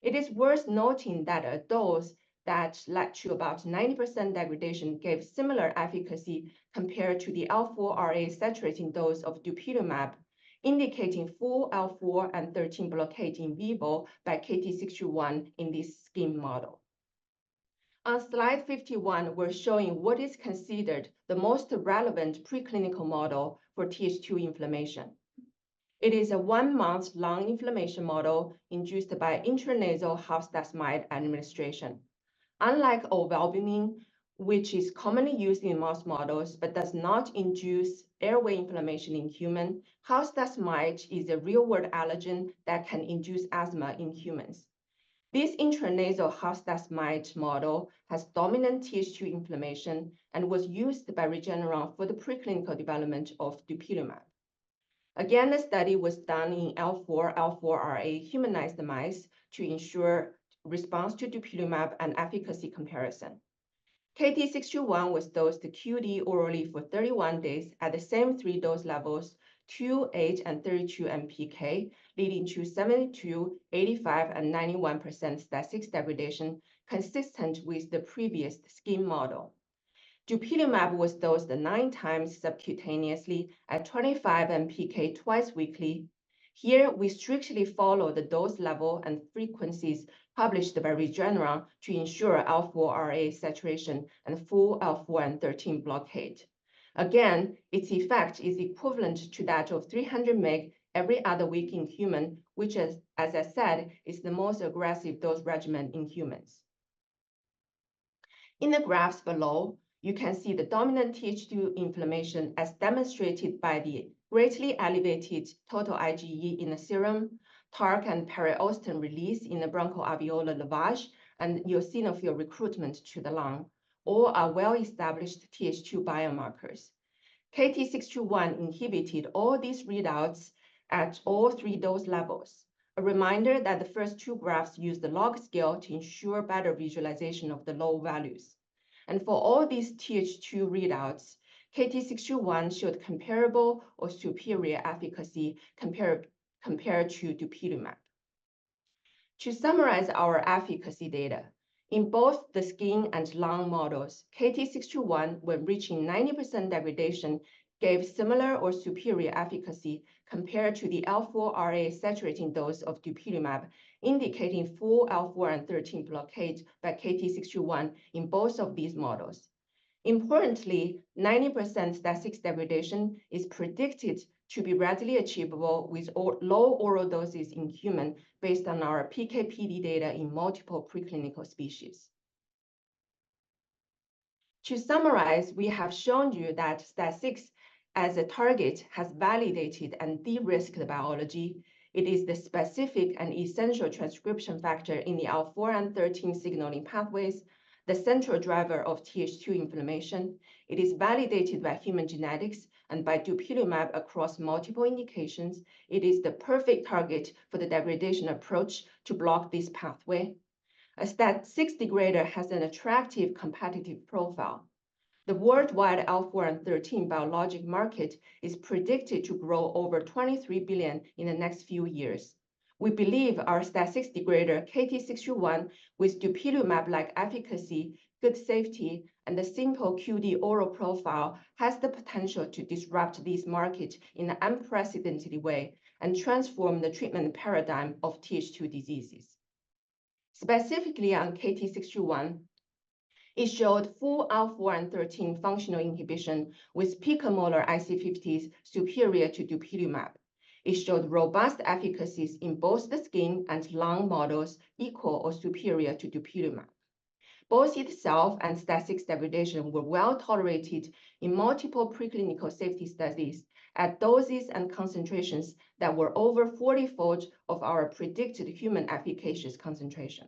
It is worth noting that a dose that led to about 90% degradation gave similar efficacy compared to the IL-4RA saturating dose of dupilumab, indicating full IL-4 and 13 blockade in vivo by KT-621 in this skin model. On slide 51, we're showing what is considered the most relevant preclinical model for Th2 inflammation. It is a 1-month lung inflammation model induced by intranasal house dust mite administration, unlike ovalbumin, which is commonly used in mouse models but does not induce airway inflammation in human; house dust mite is a real-world allergen that can induce asthma in humans. This intranasal house dust mite model has dominant Th2 inflammation and was used by Regeneron for the preclinical development of dupilumab. Again, this study was done in IL-4/IL-4Ra humanized mice to ensure response to dupilumab and efficacy comparison. KT-621 was dosed QD orally for 31 days at the same three dose levels, 2, 8, and 32 MPK, leading to 72%, 85%, and 91% STAT6 degradation, consistent with the previous skin model. Dupilumab was dosed 9 times subcutaneously at 25 MPK twice weekly. Here, we strictly follow the dose level and frequencies published by Regeneron to ensure IL-4Ra saturation and full IL-4 and IL-13 blockade. Again, its effect is equivalent to that of 300 mg every other week in human, which is, as I said, is the most aggressive dose regimen in humans. In the graphs below, you can see the dominant Th2 inflammation, as demonstrated by the greatly elevated total IgE in the serum, TARC and periostin release in the bronchoalveolar lavage, and eosinophil recruitment to the lung, all are well-established Th2 biomarkers. KT-621 inhibited all these readouts at all three dose levels. A reminder that the first two graphs use the log scale to ensure better visualization of the low values. For all these Th2 readouts, KT-621 showed comparable or superior efficacy compared to dupilumab. To summarize our efficacy data, in both the skin and lung models, KT-621, when reaching 90% degradation, gave similar or superior efficacy compared to the IL-4Ra saturating dose of dupilumab, indicating full IL-4 and IL-13 blockade by KT-621 in both of these models. Importantly, 90% STAT6 degradation is predicted to be readily achievable with low oral doses in human, based on our PK/PD data in multiple preclinical species. To summarize, we have shown you that STAT6 as a target has validated and de-risked the biology. It is the specific and essential transcription factor in the IL-4 and IL-13 signaling pathways, the central driver of Th2 inflammation. It is validated by human genetics and by dupilumab across multiple indications. It is the perfect target for the degradation approach to block this pathway. A STAT6 degrader has an attractive competitive profile. The worldwide IL-4 and IL-13 biologic market is predicted to grow over $23 billion in the next few years. We believe our STAT6 degrader, KT-621, with dupilumab-like efficacy, good safety, and a simple QD oral profile, has the potential to disrupt this market in an unprecedented way and transform the treatment paradigm of Th2 diseases. Specifically on KT-621, it showed full IL-4 and IL-13 functional inhibition with picomolar IC50s superior to dupilumab. It showed robust efficacies in both the skin and lung models, equal or superior to dupilumab. Both itself and STAT6 degradation were well-tolerated in multiple preclinical safety studies at doses and concentrations that were over 40-fold of our predicted human applications concentration.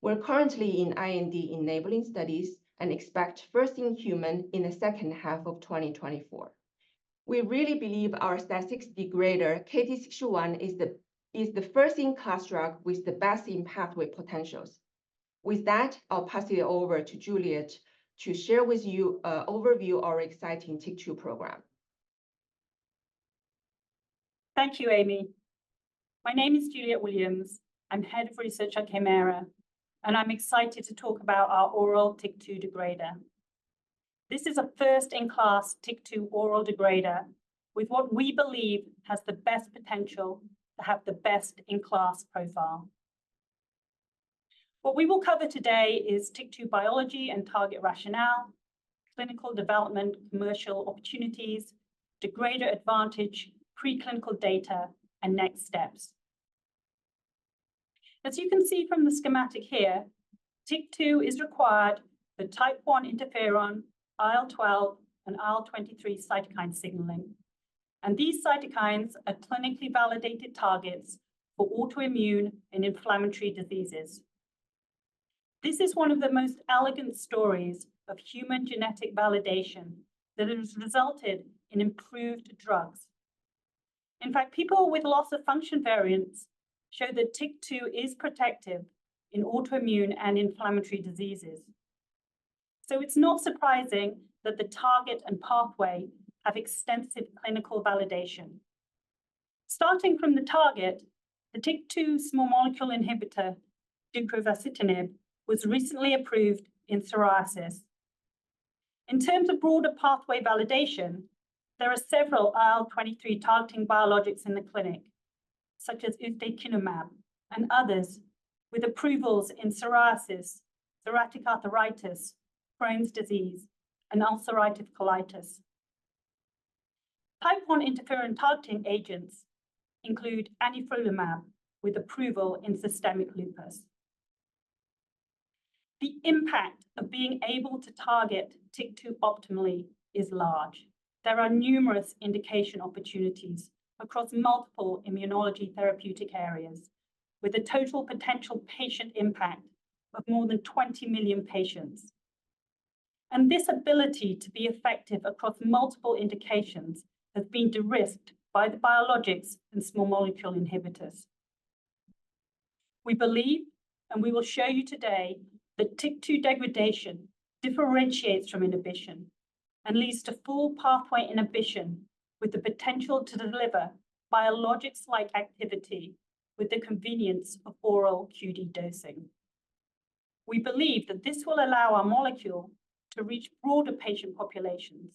We're currently in IND-enabling studies and expect first in human in the second half of 2024. We really believe our STAT6 degrader, KT-621, is the, is the first-in-class drug with the best-in-pathway potentials. With that, I'll pass it over to Juliet to share with you an overview of our exciting TYK2 program.
Thank you, Amy. My name is Juliet Williams. I'm Head of Research at Kymera, and I'm excited to talk about our oral TYK2 degrader. This is a first-in-class TYK2 oral degrader with what we believe has the best potential to have the best-in-class profile. What we will cover today is TYK2 biology and target rationale, clinical development, commercial opportunities, degrader advantage, preclinical data, and next steps. As you can see from the schematic here, TYK2 is required for type I interferon, IL-12, and IL-23 cytokine signaling, and these cytokines are clinically validated targets for autoimmune and inflammatory diseases. This is one of the most elegant stories of human genetic validation that has resulted in improved drugs. In fact, people with loss-of-function variants show that TYK2 is protective in autoimmune and inflammatory diseases. So it's not surprising that the target and pathway have extensive clinical validation. Starting from the target, the TYK2 small molecule inhibitor, Deucravacitinib, was recently approved in psoriasis. In terms of broader pathway validation, there are several IL-23 targeting biologics in the clinic, such as ustekinumab and others, with approvals in psoriasis, psoriatic arthritis, Crohn's disease, and ulcerative colitis. Type I interferon targeting agents include anifrolumab with approval in systemic lupus. The impact of being able to target TYK2 optimally is large. There are numerous indication opportunities across multiple immunology therapeutic areas, with a total potential patient impact of more than 20 million patients. And this ability to be effective across multiple indications has been de-risked by the biologics and small molecule inhibitors. We believe, and we will show you today, that TYK2 degradation differentiates from inhibition and leads to full pathway inhibition, with the potential to deliver biologics-like activity with the convenience of oral QD dosing. We believe that this will allow our molecule to reach broader patient populations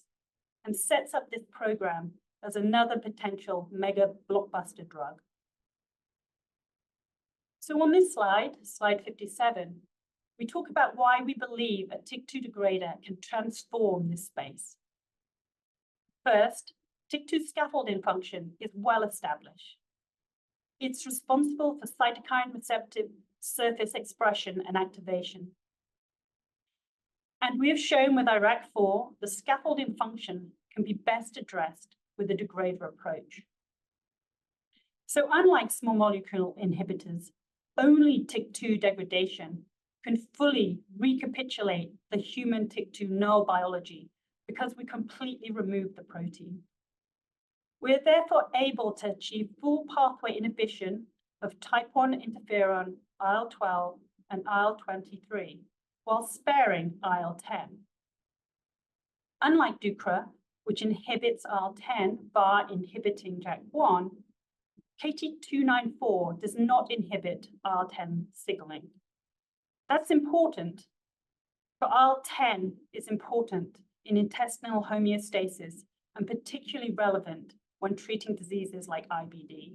and sets up this program as another potential mega blockbuster drug. So on this slide, slide 57, we talk about why we believe a TYK2 degrader can transform this space. First, TYK2 scaffolding function is well established. It's responsible for cytokine receptor surface expression and activation. We have shown with IRAK4, the scaffolding function can be best addressed with a degrader approach. So unlike small molecule inhibitors, only TYK2 degradation can fully recapitulate the human TYK2 null biology because we completely remove the protein. We are therefore able to achieve full pathway inhibition of type I interferon, IL-12, and IL-23, while sparing IL-10. Unlike Deucravacitinib, which inhibits IL-10 by inhibiting JAK1, KT-294 does not inhibit IL-10 signaling. That's important, for IL-10 is important in intestinal homeostasis and particularly relevant when treating diseases like IBD.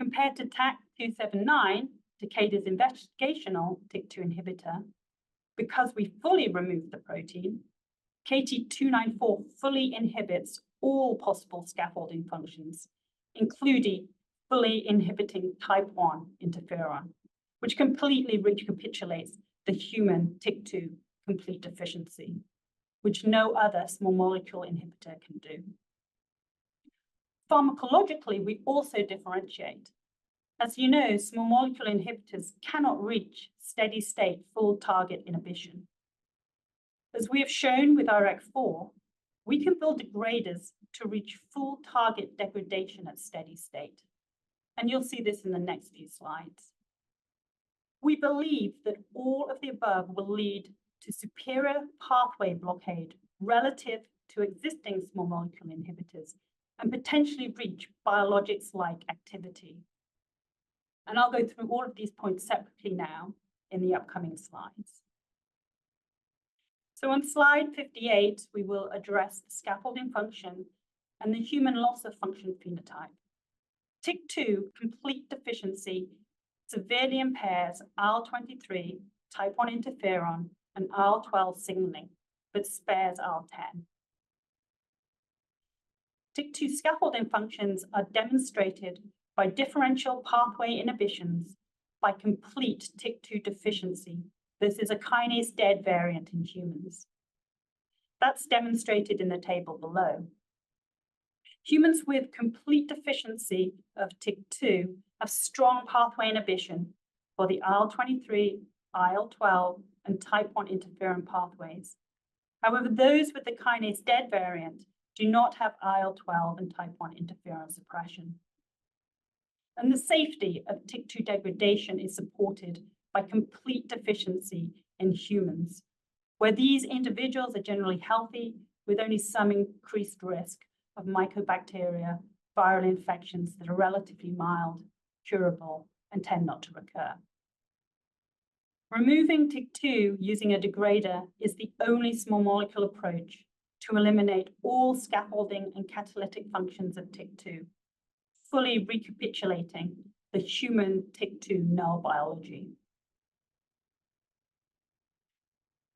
Compared to TAK-279, Takeda's investigational TYK2 inhibitor, because we fully remove the protein, KT-294 fully inhibits all possible scaffolding functions, including fully inhibiting type one interferon, which completely recapitulates the human TYK2 complete deficiency, which no other small molecule inhibitor can do. Pharmacologically, we also differentiate. As you know, small molecule inhibitors cannot reach steady-state full target inhibition. As we have shown with IRAK4, we can build degraders to reach full target degradation at steady state, and you'll see this in the next few slides. We believe that all of the above will lead to superior pathway blockade relative to existing small molecule inhibitors and potentially reach biologics-like activity. I'll go through all of these points separately now in the upcoming slides. On slide 58, we will address the scaffolding function and the human loss-of-function phenotype. TYK2 complete deficiency severely impairs IL-23, type 1 interferon, and IL-12 signaling, but spares IL-10. TYK2 scaffolding functions are demonstrated by differential pathway inhibitions by complete TYK2 deficiency. This is a kinase dead variant in humans. That's demonstrated in the table below. Humans with complete deficiency of TYK2 have strong pathway inhibition for the IL-23, IL-12, and type 1 interferon pathways. However, those with the kinase dead variant do not have IL-12 and type 1 interferon suppression. And the safety of TYK2 degradation is supported by complete deficiency in humans, where these individuals are generally healthy, with only some increased risk of mycobacteria, viral infections that are relatively mild, curable, and tend not to recur. Removing TYK2 using a degrader is the only small molecule approach to eliminate all scaffolding and catalytic functions of TYK2, fully recapitulating the human TYK2 null biology.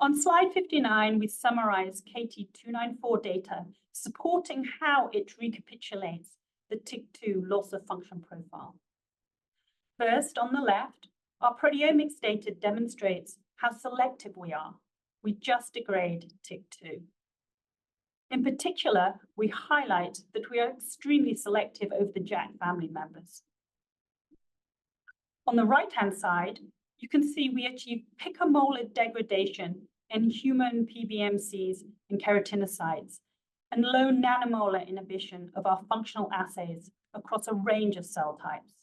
On slide 59, we summarize KT-294 data supporting how it recapitulates the TYK2 loss-of-function profile. First, on the left, our proteomics data demonstrates how selective we are. We just degrade TYK2. In particular, we highlight that we are extremely selective of the JAK family members. On the right-hand side, you can see we achieve picomolar degradation in human PBMCs and keratinocytes, and low nanomolar inhibition of our functional assays across a range of cell types.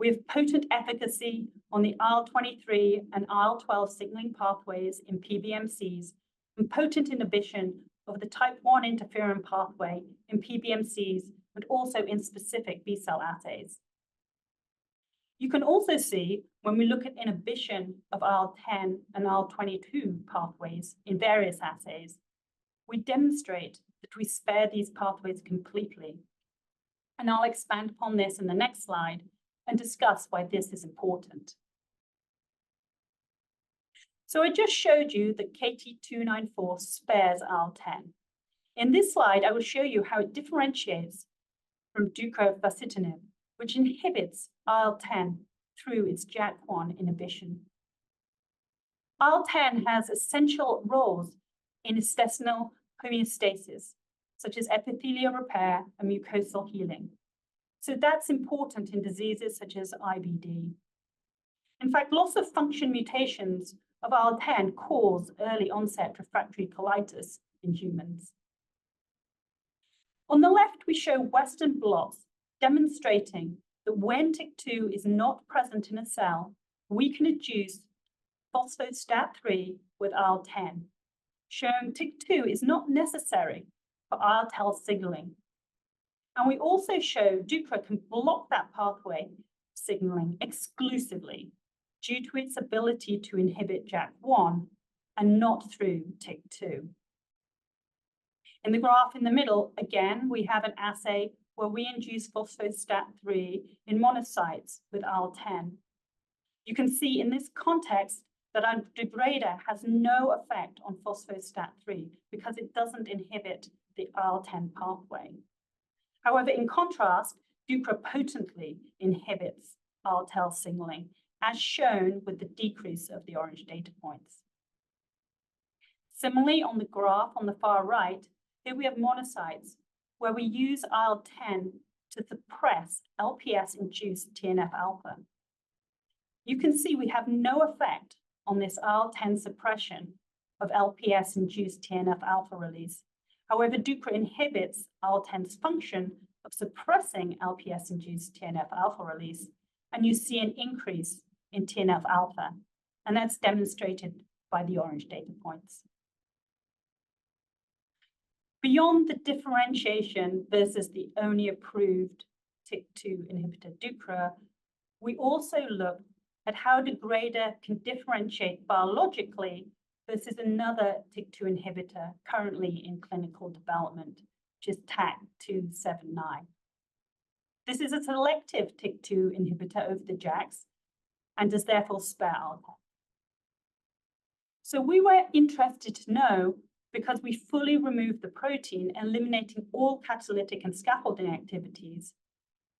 We have potent efficacy on the IL-23 and IL-12 signaling pathways in PBMCs, and potent inhibition of the type 1 interferon pathway in PBMCs, but also in specific B-cell assays. You can also see when we look at inhibition of IL-10 and IL-22 pathways in various assays, we demonstrate that we spare these pathways completely, and I'll expand upon this in the next slide and discuss why this is important.... I just showed you that KT-294 spares IL-10. In this slide, I will show you how it differentiates from dupilumab, which inhibits IL-10 through its JAK1 inhibition. IL-10 has essential roles in intestinal homeostasis, such as epithelial repair and mucosal healing. So that's important in diseases such as IBD. In fact, loss of function mutations of IL-10 cause early onset refractory colitis in humans. On the left, we show Western blots demonstrating that when TYK2 is not present in a cell, we can induce phospho-STAT3 with IL-10, showing TYK2 is not necessary for IL-10 signaling. We also show dupilumab can block that pathway signaling exclusively due to its ability to inhibit JAK1 and not through TYK2. In the graph in the middle, again, we have an assay where we induce phospho-STAT3 in monocytes with IL-10. You can see in this context that our degrader has no effect on phospho-STAT3 because it doesn't inhibit the IL-10 pathway. However, in contrast, dupilumab potently inhibits IL-10 signaling, as shown with the decrease of the orange data points. Similarly, on the graph on the far right, here we have monocytes where we use IL-10 to suppress LPS-induced TNF-alpha. You can see we have no effect on this IL-10 suppression of LPS-induced TNF-alpha release. However, dupilumab inhibits IL-10's function of suppressing LPS-induced TNF-alpha release, and you see an increase in TNF-alpha, and that's demonstrated by the orange data points. Beyond the differentiation versus the only approved TYK2 inhibitor, dupilumab, we also look at how the degrader can differentiate biologically versus another TYK2 inhibitor currently in clinical development, which is TAK-279. This is a selective TYK2 inhibitor over the JAKs and does therefore spare IL. So we were interested to know because we fully removed the protein, eliminating all catalytic and scaffolding activities,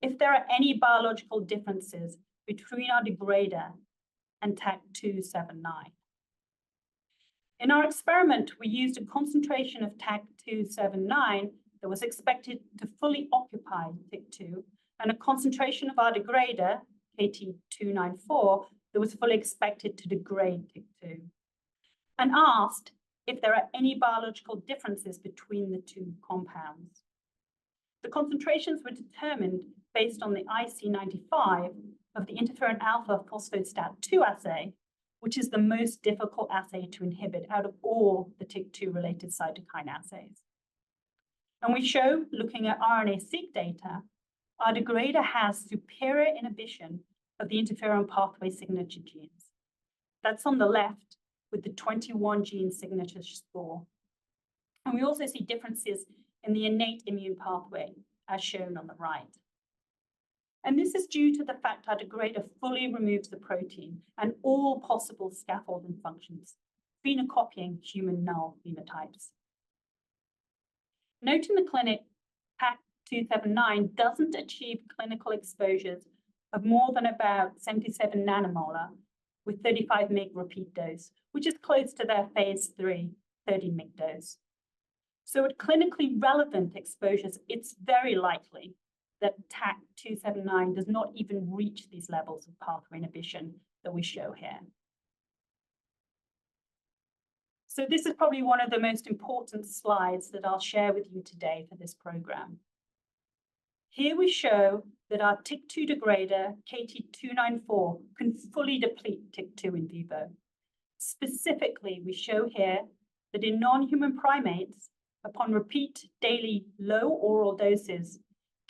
if there are any biological differences between our degrader and TAK-279. In our experiment, we used a concentration of TAK-279 that was expected to fully occupy TYK2 and a concentration of our degrader, KT-294, that was fully expected to degrade TYK2, and asked if there are any biological differences between the two compounds. The concentrations were determined based on the IC95 of the interferon alpha phospho-STAT2 assay, which is the most difficult assay to inhibit out of all the TYK2-related cytokine assays. And we show, looking at RNA seq data, our degrader has superior inhibition of the interferon pathway signature genes. That's on the left with the 21 gene signature score. And we also see differences in the innate immune pathway, as shown on the right. And this is due to the fact our degrader fully removes the protein and all possible scaffolding functions, phenocopying human null phenotypes. Note in the clinic, TAK-279 doesn't achieve clinical exposures of more than about 77 nanomolar with 35 mg repeat dose, which is close to their Phase III 30 mg dose. So at clinically relevant exposures, it's very likely that TAK-279 does not even reach these levels of pathway inhibition that we show here. So this is probably one of the most important slides that I'll share with you today for this program. Here we show that our TYK2 degrader, KT-294, can fully deplete TYK2 in vivo. Specifically, we show here that in non-human primates, upon repeat daily low oral doses,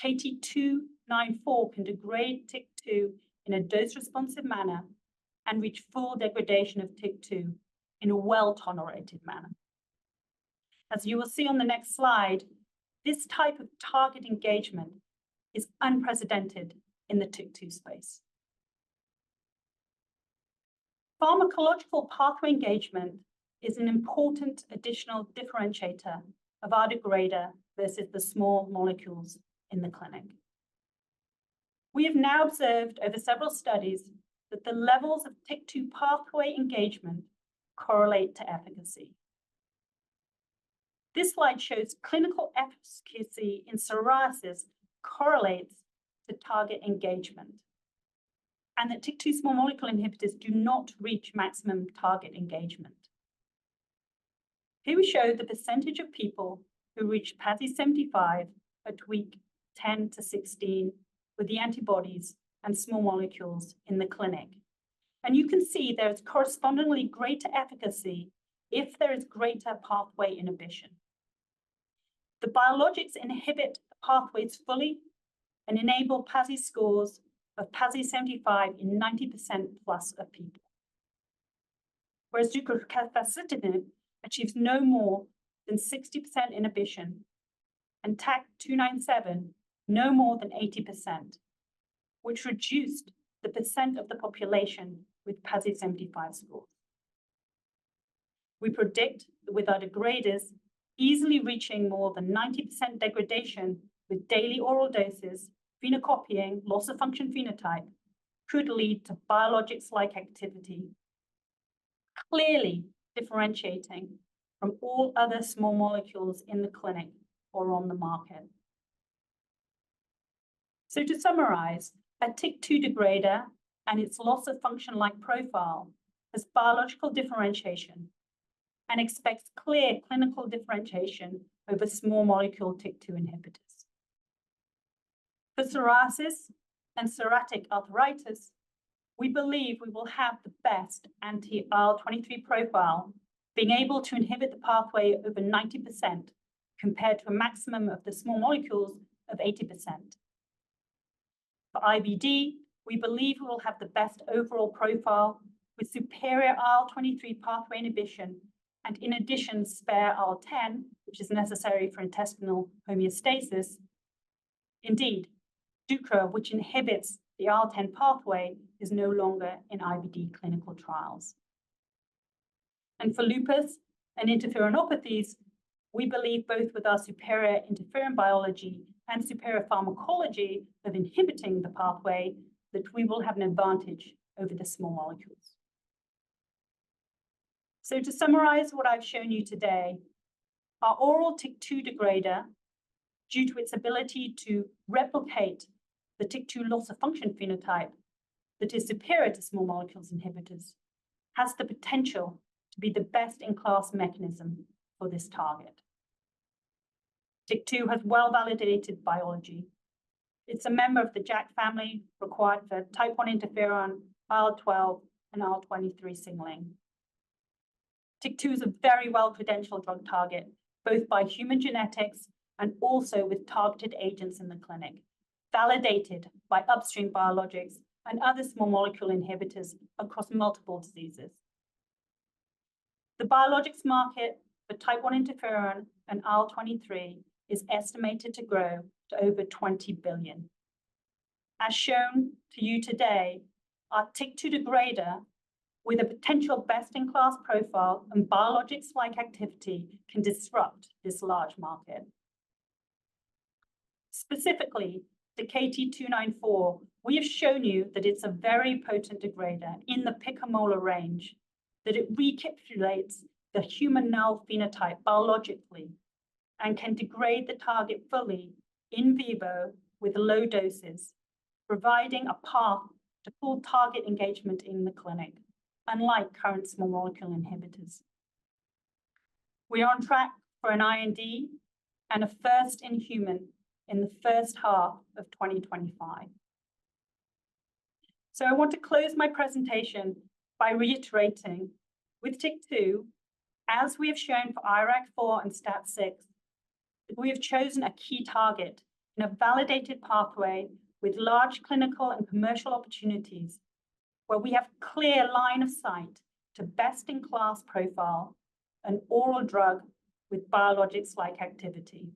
KT-294 can degrade TYK2 in a dose-responsive manner and reach full degradation of TYK2 in a well-tolerated manner. As you will see on the next slide, this type of target engagement is unprecedented in the TYK2 space. Pharmacological pathway engagement is an important additional differentiator of our degrader versus the small molecules in the clinic. We have now observed over several studies that the levels of TYK2 pathway engagement correlate to efficacy. This slide shows clinical efficacy in psoriasis correlates to target engagement, and that TYK2 small molecule inhibitors do not reach maximum target engagement. Here we show the percentage of people who reach PASI 75 at week 10-16 with the antibodies and small molecules in the clinic. You can see there is correspondingly greater efficacy if there is greater pathway inhibition. The biologics inhibit the pathways fully and enable PASI scores of PASI 75 in 90% plus of people, whereas dupilumab achieves no more than 60% inhibition-... TAK-279, no more than 80%, which reduced the percent of the population with PASI 75 score. We predict that with our degraders easily reaching more than 90% degradation with daily oral doses, phenocopying loss-of-function phenotype could lead to biologics-like activity, clearly differentiating from all other small molecules in the clinic or on the market. So to summarize, a TYK2 degrader and its loss-of-function-like profile has biological differentiation and expects clear clinical differentiation over small molecule TYK2 inhibitors. For psoriasis and psoriatic arthritis, we believe we will have the best anti-IL-23 profile, being able to inhibit the pathway over 90%, compared to a maximum of the small molecules of 80%. For IBD, we believe we will have the best overall profile, with superior IL-23 pathway inhibition, and in addition, spare IL-10, which is necessary for intestinal homeostasis. Indeed, Tucera, which inhibits the IL-10 pathway, is no longer in IBD clinical trials. For lupus and interferonopathies, we believe both with our superior interferon biology and superior pharmacology of inhibiting the pathway, that we will have an advantage over the small molecules. To summarize what I've shown you today, our oral TYK2 degrader, due to its ability to replicate the TYK2 loss-of-function phenotype that is superior to small-molecule inhibitors, has the potential to be the best-in-class mechanism for this target. TYK2 has well-validated biology. It's a member of the JAK family required for type one interferon, IL-12, and IL-23 signaling. TYK2 is a very well-credentialed drug target, both by human genetics and also with targeted agents in the clinic, validated by upstream biologics and other small-molecule inhibitors across multiple diseases. The biologics market for type one interferon and IL-23 is estimated to grow to over $20 billion. As shown to you today, our TYK2 degrader, with a potential best-in-class profile and biologics-like activity, can disrupt this large market. Specifically, the KT-294, we have shown you that it's a very potent degrader in the picomolar range, that it recapitulates the human null phenotype biologically, and can degrade the target fully in vivo with low doses, providing a path to full target engagement in the clinic, unlike current small molecule inhibitors. We are on track for an IND and a first in human in the first half of 2025. I want to close my presentation by reiterating, with TYK2, as we have shown for IRAK4 and STAT6, we have chosen a key target in a validated pathway with large clinical and commercial opportunities, where we have clear line of sight to best-in-class profile, an oral drug with biologics-like activity.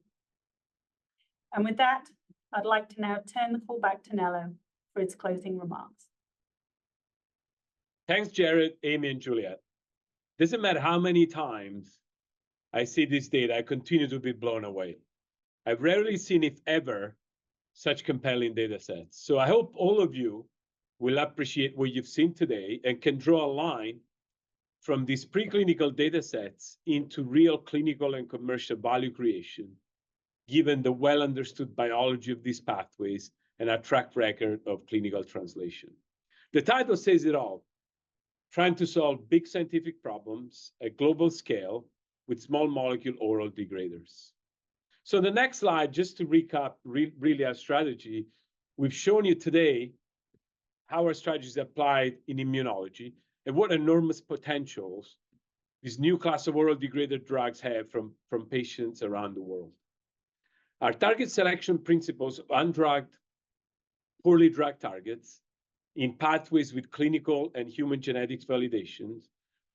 With that, I'd like to now turn the call back to Nello for its closing remarks.
Thanks, Jared, Amy, and Juliet. Doesn't matter how many times I see this data, I continue to be blown away. I've rarely seen, if ever, such compelling data sets. So I hope all of you will appreciate what you've seen today and can draw a line from these preclinical data sets into real clinical and commercial value creation, given the well-understood biology of these pathways and our track record of clinical translation. The title says it all: Trying to solve big scientific problems at global scale with small molecule oral degraders. So the next slide, just to recap really our strategy, we've shown you today how our strategy is applied in immunology and what enormous potentials this new class of oral degrader drugs have from patients around the world. Our target selection principles, undrugged, poorly drugged targets in pathways with clinical and human genetics validations,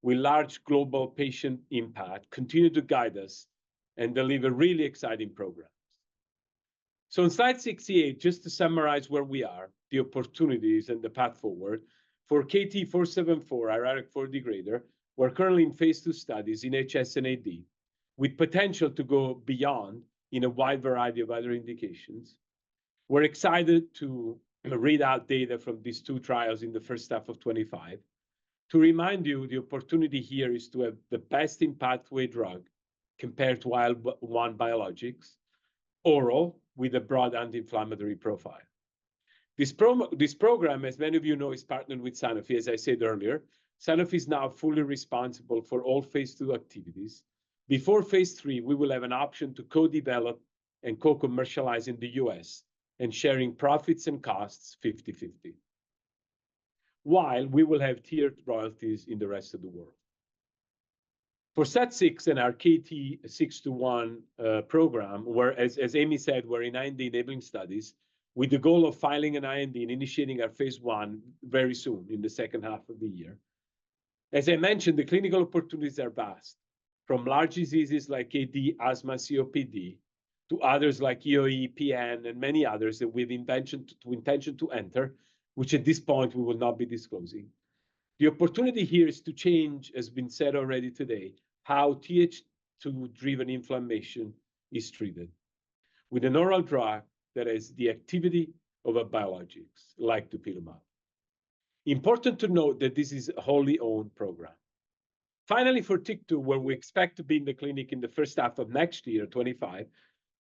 with large global patient impact, continue to guide us and deliver really exciting programs. So in slide 68, just to summarize where we are, the opportunities and the path forward, for KT-474, IRAK4 degrader, we're currently in phase II studies in HS and AD, with potential to go beyond in a wide variety of other indications. We're excited to read out data from these two trials in the first half of 2025. To remind you, the opportunity here is to have the best-in-pathway drug compared to IL-1 biologics, oral, with a broad anti-inflammatory profile. This program, as many of you know, is partnered with Sanofi, as I said earlier. Sanofi is now fully responsible for all phase II activities. Before phase III, we will have an option to co-develop and co-commercialize in the U.S. and sharing profits and costs 50/50, while we will have tiered royalties in the rest of the world. For STAT6 and our KT-621 program, whereas, as Amy said, we're in IND-enabling studies with the goal of filing an IND and initiating our phase I very soon in the second half of the year. As I mentioned, the clinical opportunities are vast, from large diseases like AD, asthma, COPD, to others like EoE, PN, and many others that we intend to enter, which at this point, we will not be disclosing. The opportunity here is to change, as has been said already today, how Th2-driven inflammation is treated with an oral drug that has the activity of a biologics, like dupilumab. Important to note that this is a wholly owned program. Finally, for TYK2, where we expect to be in the clinic in the first half of next year, 2025,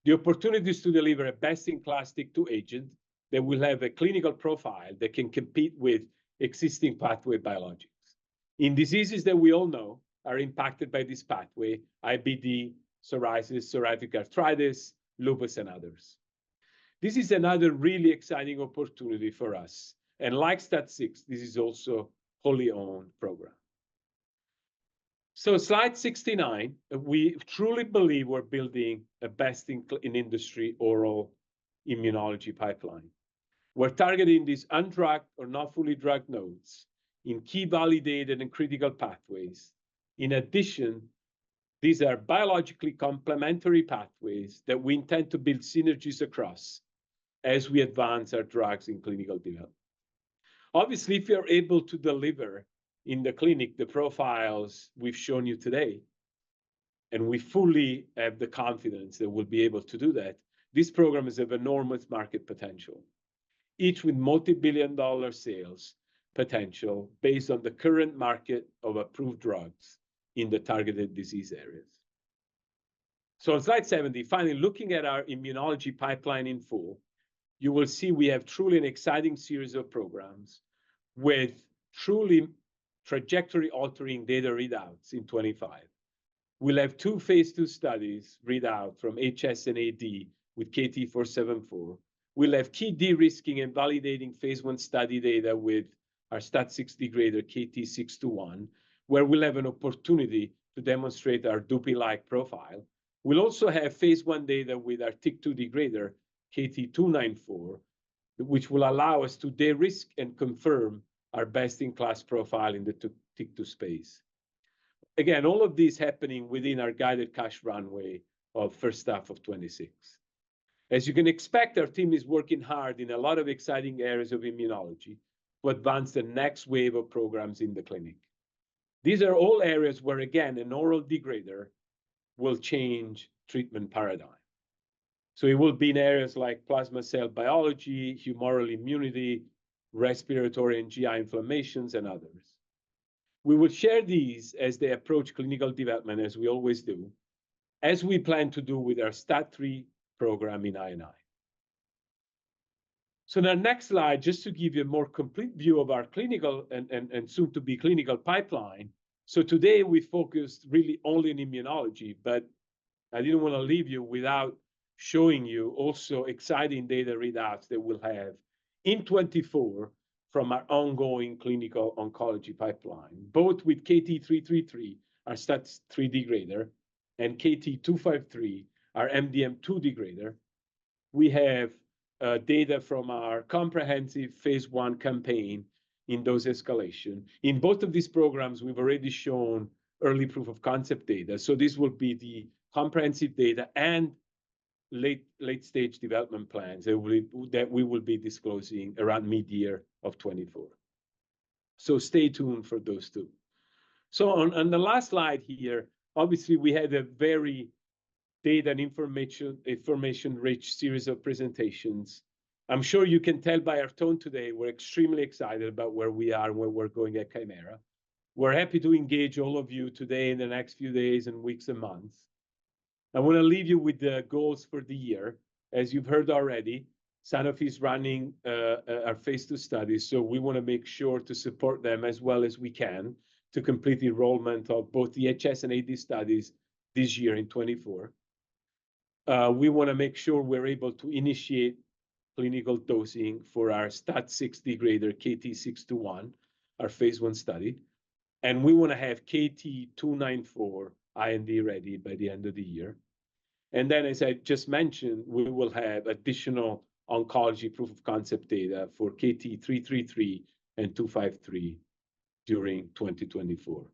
the opportunity is to deliver a best-in-class TYK2 agent that will have a clinical profile that can compete with existing pathway biologics. In diseases that we all know are impacted by this pathway, IBD, psoriasis, psoriatic arthritis, lupus, and others. This is another really exciting opportunity for us, and like STAT6, this is also wholly owned program. So slide 69, we truly believe we're building the best in class in industry oral immunology pipeline. We're targeting these undrugged or not fully drugged nodes in key validated and critical pathways. In addition, these are biologically complementary pathways that we intend to build synergies across as we advance our drugs in clinical development. Obviously, if we are able to deliver in the clinic the profiles we've shown you today, and we fully have the confidence that we'll be able to do that, this program is of enormous market potential, each with multibillion-dollar sales potential based on the current market of approved drugs in the targeted disease areas. On slide 70, finally, looking at our immunology pipeline in full, you will see we have truly an exciting series of programs with truly trajectory-altering data readouts in 2025. We'll have 2 phase II studies read out from HS and AD with KT-474. We'll have key de-risking and validating phase I study data with our STAT6 degrader, KT-621, where we'll have an opportunity to demonstrate our dupi-like profile. We'll also have phase I data with our TYK2 degrader, KT-294, which will allow us to de-risk and confirm our best-in-class profile in the TYK2 space. Again, all of this happening within our guided cash runway of first half of 2026. As you can expect, our team is working hard in a lot of exciting areas of immunology to advance the next wave of programs in the clinic. These are all areas where, again, an oral degrader will change treatment paradigm. So it will be in areas like plasma cell biology, humoral immunity, respiratory and GI inflammations, and others. We will share these as they approach clinical development, as we always do, as we plan to do with our STAT3 program in I&I. So the next slide, just to give you a more complete view of our clinical and soon-to-be clinical pipeline. So today we focused really only in immunology, but I didn't wanna leave you without showing you also exciting data readouts that we'll have in 2024 from our ongoing clinical oncology pipeline, both with KT-333, our STAT3 degrader, and KT-253, our MDM2 degrader. We have data from our comprehensive phase I campaign in dose escalation. In both of these programs, we've already shown early proof-of-concept data, so this will be the comprehensive data and late, late-stage development plans that we, that we will be disclosing around midyear of 2024. So stay tuned for those two. So on, on the last slide here, obviously, we had a very data and information, information-rich series of presentations. I'm sure you can tell by our tone today, we're extremely excited about where we are and where we're going at Kymera. We're happy to engage all of you today, in the next few days, and weeks, and months. I wanna leave you with the goals for the year. As you've heard already, Sanofi is running our phase II study, so we wanna make sure to support them as well as we can to complete the enrollment of both the HS and AD studies this year in 2024. We wanna make sure we're able to initiate clinical dosing for our STAT6 degrader, KT-621, our phase I study, and we wanna have KT-294 IND ready by the end of the year. And then, as I just mentioned, we will have additional oncology proof-of-concept data for KT-333 and 253 during 2024.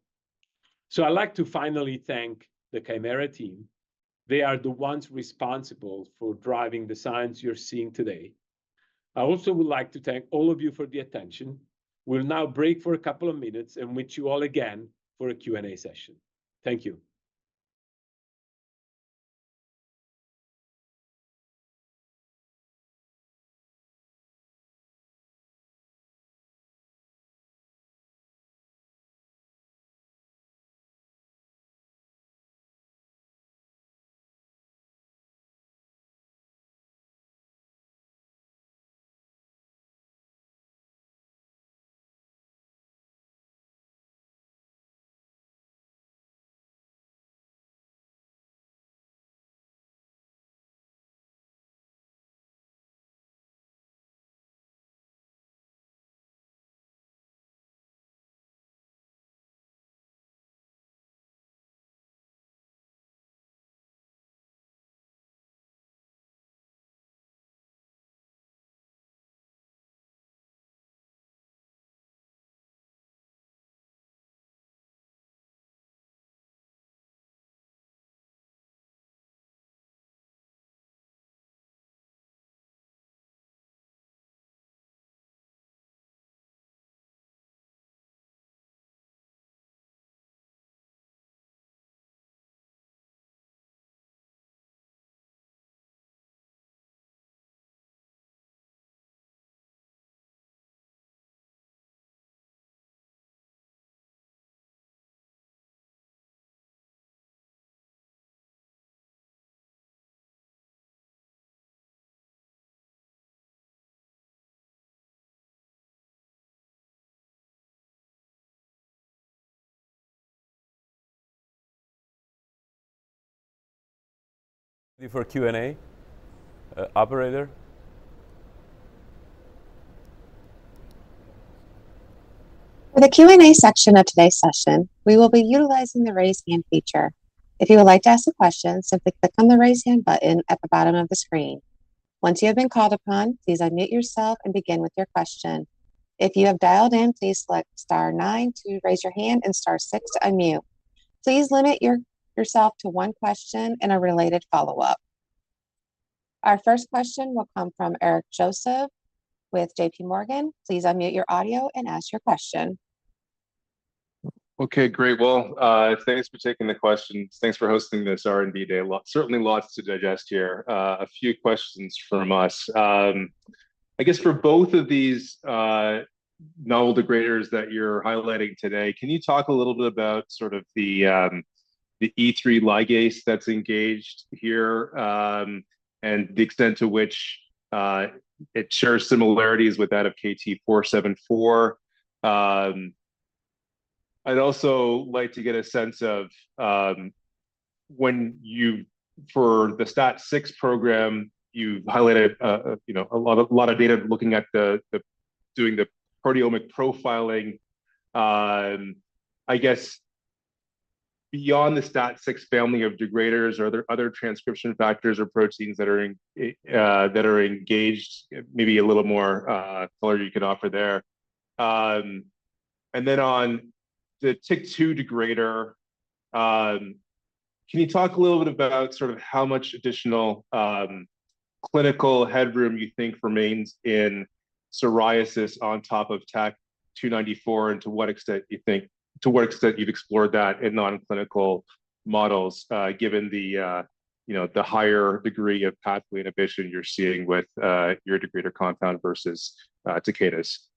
So I'd like to finally thank the Kymera team. They are the ones responsible for driving the science you're seeing today. I also would like to thank all of you for the attention. We'll now break for a couple of minutes and meet you all again for a Q&A session. Thank you. ...
Ready for Q&A. Operator?
For the Q&A section of today's session, we will be utilizing the Raise Hand feature. If you would like to ask a question, simply click on the Raise Hand button at the bottom of the screen. Once you have been called upon, please unmute yourself and begin with your question. If you have dialed in, please select star nine to raise your hand and star six to unmute. Please limit yourself to one question and a related follow-up. Our first question will come from Eric Joseph with J.P. Morgan. Please unmute your audio and ask your question.
Okay, great. Well, thanks for taking the questions. Thanks for hosting this R&D Day. Certainly lots to digest here. A few questions from us. I guess for both of these novel degraders that you're highlighting today, can you talk a little bit about sort of the E3 ligase that's engaged here, and the extent to which it shares similarities with that of KT-474? I'd also like to get a sense of, when you-- for the STAT6 program, you've highlighted, you know, a lot of data looking at the proteomic profiling. I guess beyond the STAT6 family of degraders, are there other transcription factors or proteins that are engaged? Maybe a little more clarity you could offer there. And then on the TYK2 degrader, can you talk a little bit about sort of how much additional clinical headroom you think remains in psoriasis on top of KT-294, and to what extent you've explored that in non-clinical models, given the, you know, the higher degree of pathway inhibition you're seeing with your degrader compound versus Takeda's?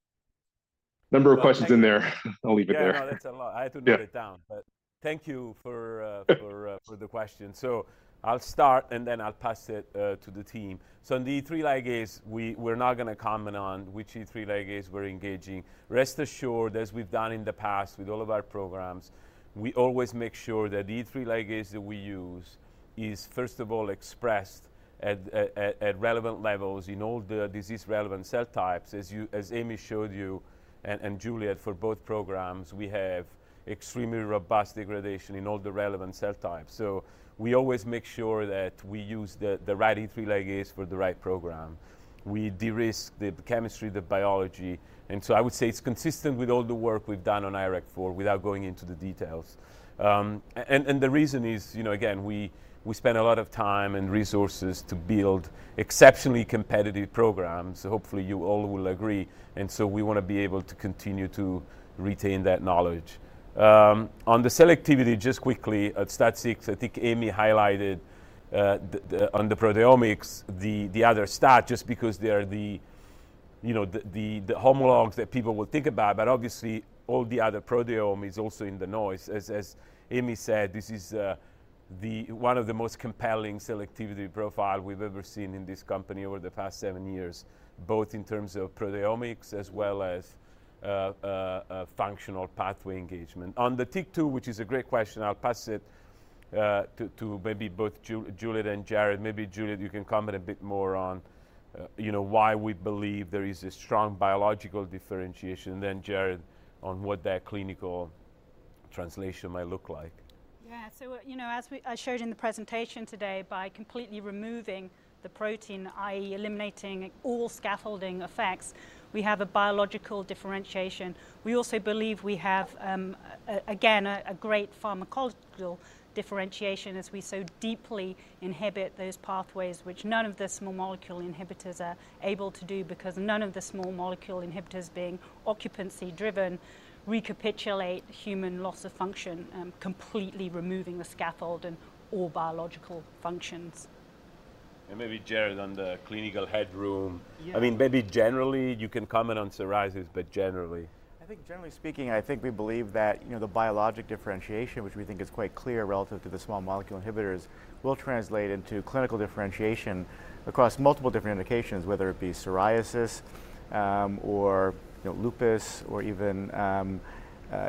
Number of questions in there. I'll leave it there.
Yeah, no, that's a lot.
Yeah.
I had to write it down. But thank you for the question. So I'll start, and then I'll pass it to the team. So on the E3 ligase, we're not gonna comment on which E3 ligase we're engaging. Rest assured, as we've done in the past with all of our programs, we always make sure that the E3 ligase that we use is, first of all, expressed at relevant levels in all the disease-relevant cell types. As Amy showed you, and Juliet, for both programs, we have extremely robust degradation in all the relevant cell types. So we always make sure that we use the right E3 ligase for the right program. We de-risk the chemistry, the biology, and so I would say it's consistent with all the work we've done on IRAK4, without going into the details. And the reason is, you know, again, we spend a lot of time and resources to build exceptionally competitive programs. Hopefully, you all will agree, and so we wanna be able to continue to retain that knowledge. On the selectivity, just quickly, at STAT6, I think Amy highlighted the on the proteomics, the other STAT, just because they are the, you know, the homologues that people will think about. But obviously, all the other proteome is also in the noise. As Amy said, this is the... One of the most compelling selectivity profile we've ever seen in this company over the past seven years, both in terms of proteomics as well as, a functional pathway engagement. On the TYK2, which is a great question, I'll pass it, to, to maybe both Juliet and Jared. Maybe, Juliet, you can comment a bit more on, you know, why we believe there is a strong biological differentiation, and then, Jared, on what that clinical translation might look like.
Yeah. So, you know, as I showed in the presentation today, by completely removing the protein, i.e., eliminating all scaffolding effects, we have a biological differentiation. We also believe we have, again, a great pharmacological differentiation as we so deeply inhibit those pathways, which none of the small molecule inhibitors are able to do, because none of the small molecule inhibitors, being occupancy-driven, recapitulate human loss of function, completely removing the scaffold and all biological functions.
Maybe, Jared, on the clinical headroom.
Yeah.
I mean, maybe generally, you can comment on psoriasis, but generally.
I think generally speaking, I think we believe that, you know, the biologic differentiation, which we think is quite clear relative to the small molecule inhibitors, will translate into clinical differentiation across multiple different indications, whether it be psoriasis, or, you know, lupus, or even,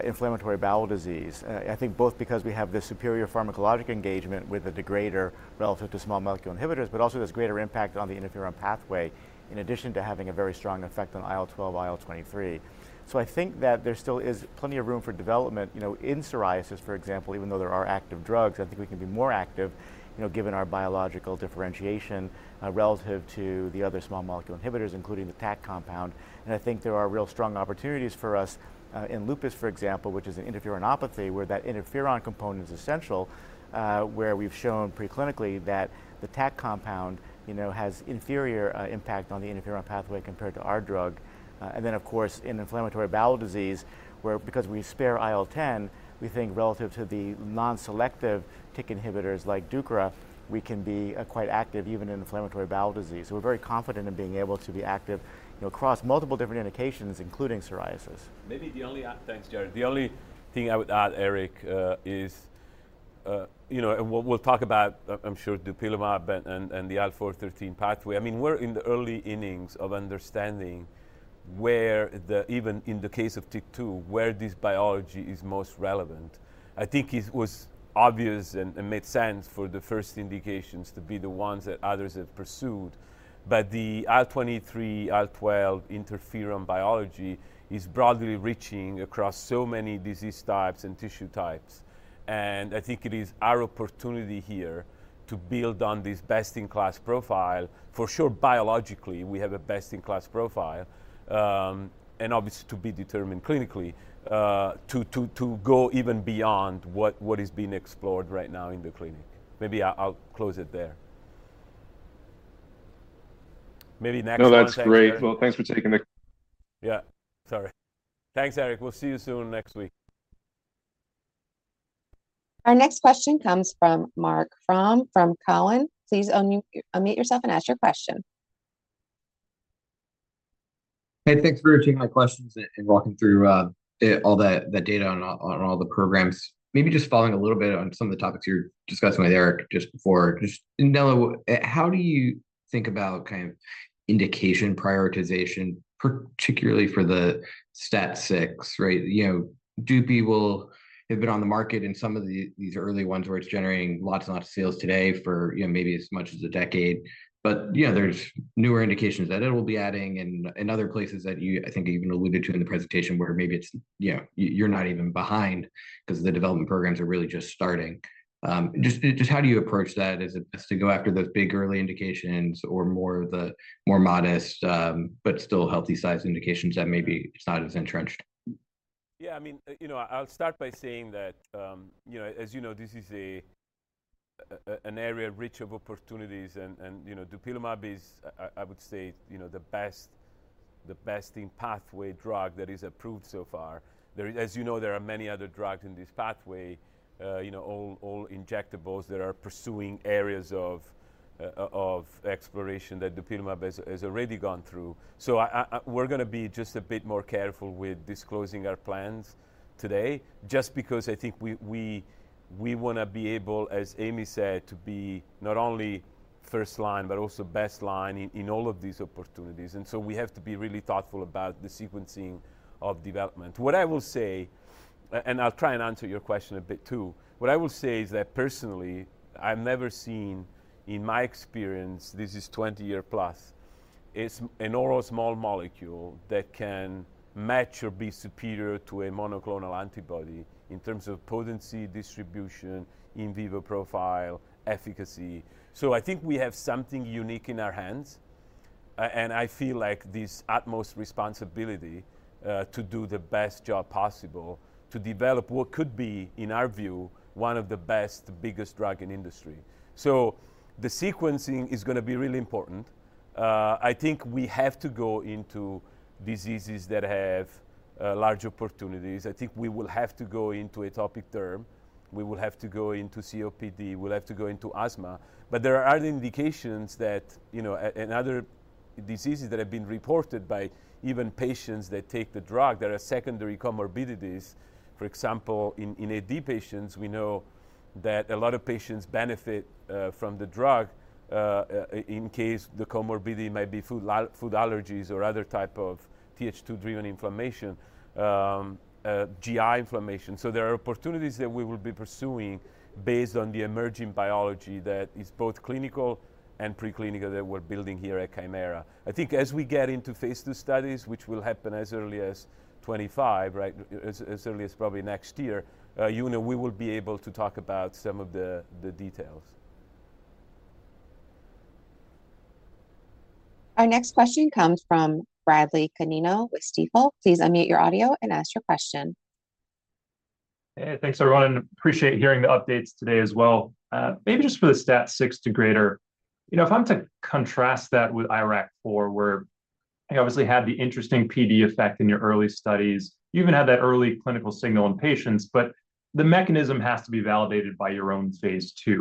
inflammatory bowel disease. I think both because we have the superior pharmacologic engagement with the degrader relative to small molecule inhibitors, but also this greater impact on the interferon pathway, in addition to having a very strong effect on IL-12/IL-23. So I think that there still is plenty of room for development, you know, in psoriasis, for example, even though there are active drugs, I think we can be more active, you know, given our biological differentiation, relative to the other small molecule inhibitors, including the TAK compound. I think there are real strong opportunities for us in lupus, for example, which is an interferonopathy, where that interferon component is essential, where we've shown preclinically that the TAK compound, you know, has inferior impact on the interferon pathway compared to our drug.... and then of course, in inflammatory bowel disease, where because we spare IL-10, we think relative to the non-selective TYK inhibitors like Tucera, we can be quite active even in inflammatory bowel disease. So we're very confident in being able to be active, you know, across multiple different indications, including psoriasis.
Thanks, Jared. The only thing I would add, Eric, is, you know, and we'll, we'll talk about, I'm, I'm sure dupilumab and, and, and the IL-4/13 pathway. I mean, we're in the early innings of understanding where the- even in the case of TYK2, where this biology is most relevant. I think it was obvious and, and made sense for the first indications to be the ones that others have pursued. But the IL-23, IL-12 interferon biology is broadly reaching across so many disease types and tissue types, and I think it is our opportunity here to build on this best-in-class profile. For sure, biologically, we have a best-in-class profile, and obviously, to be determined clinically, to, to, to go even beyond what, what is being explored right now in the clinic. Maybe I, I'll close it there. Maybe next one-
No, that's great. Well, thanks for taking the-
Yeah. Sorry. Thanks, Eric. We'll see you soon next week.
Our next question comes from Marc Frahm from Cowen. Please unmute, unmute yourself and ask your question.
Hey, thanks for taking my questions and walking through all the data on all the programs. Maybe just following a little bit on some of the topics you were discussing with Eric just before. Just, Nello, how do you think about kind of indication prioritization, particularly for the STAT6, right? You know, Dupi will have been on the market in some of these early ones, where it's generating lots and lots of sales today for, you know, maybe as much as a decade. But, yeah, there's newer indications that it will be adding and other places that you, I think, even alluded to in the presentation, where maybe it's... you know, you, you're not even behind 'cause the development programs are really just starting. Just how do you approach that? Is it best to go after those big early indications or the more modest, but still healthy-sized indications that maybe it's not as entrenched?
Yeah, I mean, you know, I'll start by saying that, you know, as you know, this is an area rich of opportunities and, you know, dupilumab is, I would say, you know, the best in pathway drug that is approved so far. As you know, there are many other drugs in this pathway, you know, all injectables that are pursuing areas of exploration that dupilumab has already gone through. So we're gonna be just a bit more careful with disclosing our plans today, just because I think we wanna be able, as Amy said, to be not only first line, but also best line in all of these opportunities. And so we have to be really thoughtful about the sequencing of development. What I will say, and I'll try and answer your question a bit, too. What I will say is that personally, I've never seen in my experience, this is 20-year plus, is an oral small molecule that can match or be superior to a monoclonal antibody in terms of potency, distribution, in vivo profile, efficacy. So I think we have something unique in our hands, and I feel like this utmost responsibility, to do the best job possible to develop what could be, in our view, one of the best, biggest drug in industry. So the sequencing is gonna be really important. I think we have to go into diseases that have, large opportunities. I think we will have to go into atopic derm, we will have to go into COPD, we'll have to go into asthma. But there are other indications that, you know, and other diseases that have been reported by even patients that take the drug, there are secondary comorbidities. For example, in AD patients, we know that a lot of patients benefit from the drug, in case the comorbidity might be food allergies or other type of Th2-driven inflammation, GI inflammation. So there are opportunities that we will be pursuing based on the emerging biology that is both clinical and preclinical, that we're building here at Kymera. I think as we get into phase II studies, which will happen as early as 2025, right, early as probably next year, you know, we will be able to talk about some of the details.
Our next question comes from Bradley Canino with Stifel. Please unmute your audio and ask your question.
Hey, thanks, everyone. Appreciate hearing the updates today as well. Maybe just for the STAT6 degrader, you know, if I'm to contrast that with IRAK4, where you obviously had the interesting PD effect in your early studies, you even had that early clinical signal in patients, but the mechanism has to be validated by your own phase II.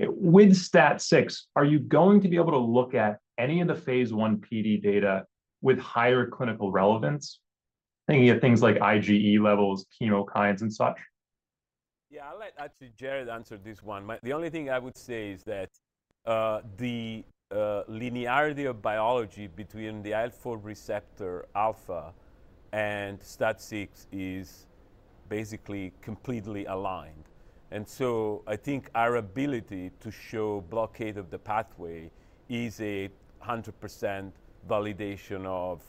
With STAT6, are you going to be able to look at any of the phase I PD data with higher clinical relevance? Thinking of things like IgE levels, chemokines, and such.
Yeah, I'll let, actually, Jared answer this one. My—the only thing I would say is that the linearity of biology between the IL-4 receptor alpha and STAT6 is basically completely aligned. And so I think our ability to show blockade of the pathway is 100% validation of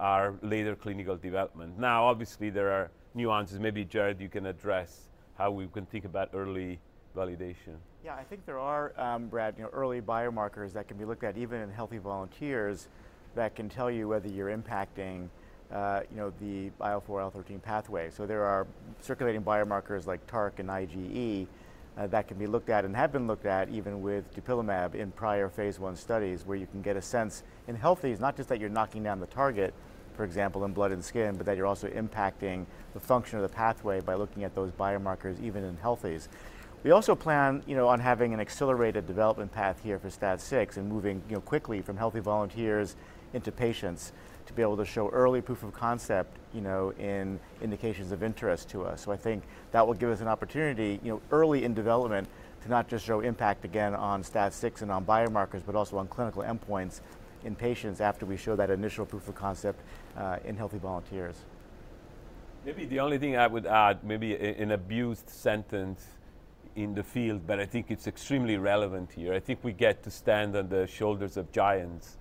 our later clinical development. Now, obviously, there are nuances. Maybe, Jared, you can address how we can think about early validation.
Yeah, I think there are, Brad, you know, early biomarkers that can be looked at even in healthy volunteers, that can tell you whether you're impacting, you know, the IL-4/IL-13 pathway. So there are circulating biomarkers like TARC and IgE, that can be looked at and have been looked at even with dupilumab in prior phase I studies, where you can get a sense in healthies, not just that you're knocking down the target, for example, in blood and skin, but that you're also impacting the function of the pathway by looking at those biomarkers, even in healthies. We also plan, you know, on having an accelerated development path here for STAT6 and moving, you know, quickly from healthy volunteers into patients, to be able to show early proof of concept, you know, in indications of interest to us. I think that will give us an opportunity, you know, early in development, to not just show impact again on STAT6 and on biomarkers, but also on clinical endpoints in patients after we show that initial proof of concept in healthy volunteers.
Maybe the only thing I would add, maybe a, an abused sentence in the field, but I think it's extremely relevant here. I think we get to stand on the shoulders of giants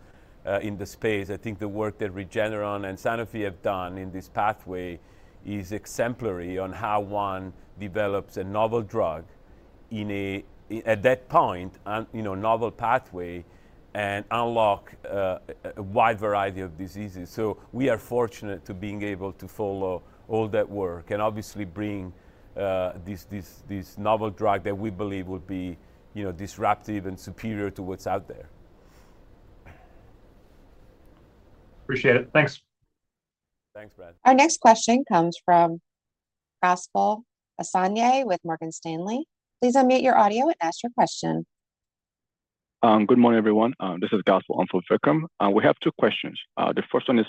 in the space. I think the work that Regeneron and Sanofi have done in this pathway is exemplary on how one develops a novel drug in a, at that point, you know, novel pathway and unlock a wide variety of diseases. So we are fortunate to being able to follow all that work and obviously bring this, this, this novel drug that we believe will be, you know, disruptive and superior to what's out there.
Appreciate it. Thanks.
Thanks, Brad.
Our next question comes from Gospel Enyinna with Morgan Stanley. Please unmute your audio and ask your question.
Good morning, everyone. This is Gospel Enyinna. And we have two questions. The first one is,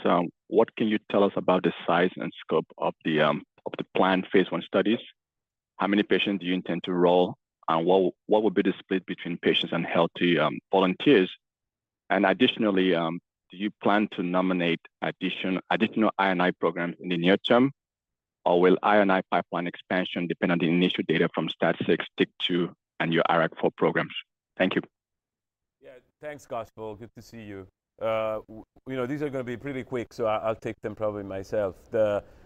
what can you tell us about the size and scope of the planned phase I studies? How many patients do you intend to enroll, and what would be the split between patients and healthy volunteers? And additionally, do you plan to nominate additional I&I programs in the near term, or will I&I pipeline expansion depend on the initial data from STAT6, TYK2, and your IRAK4 programs? Thank you.
Yeah. Thanks, Gospel. Good to see you. You know, these are gonna be pretty quick, so I'll take them probably myself.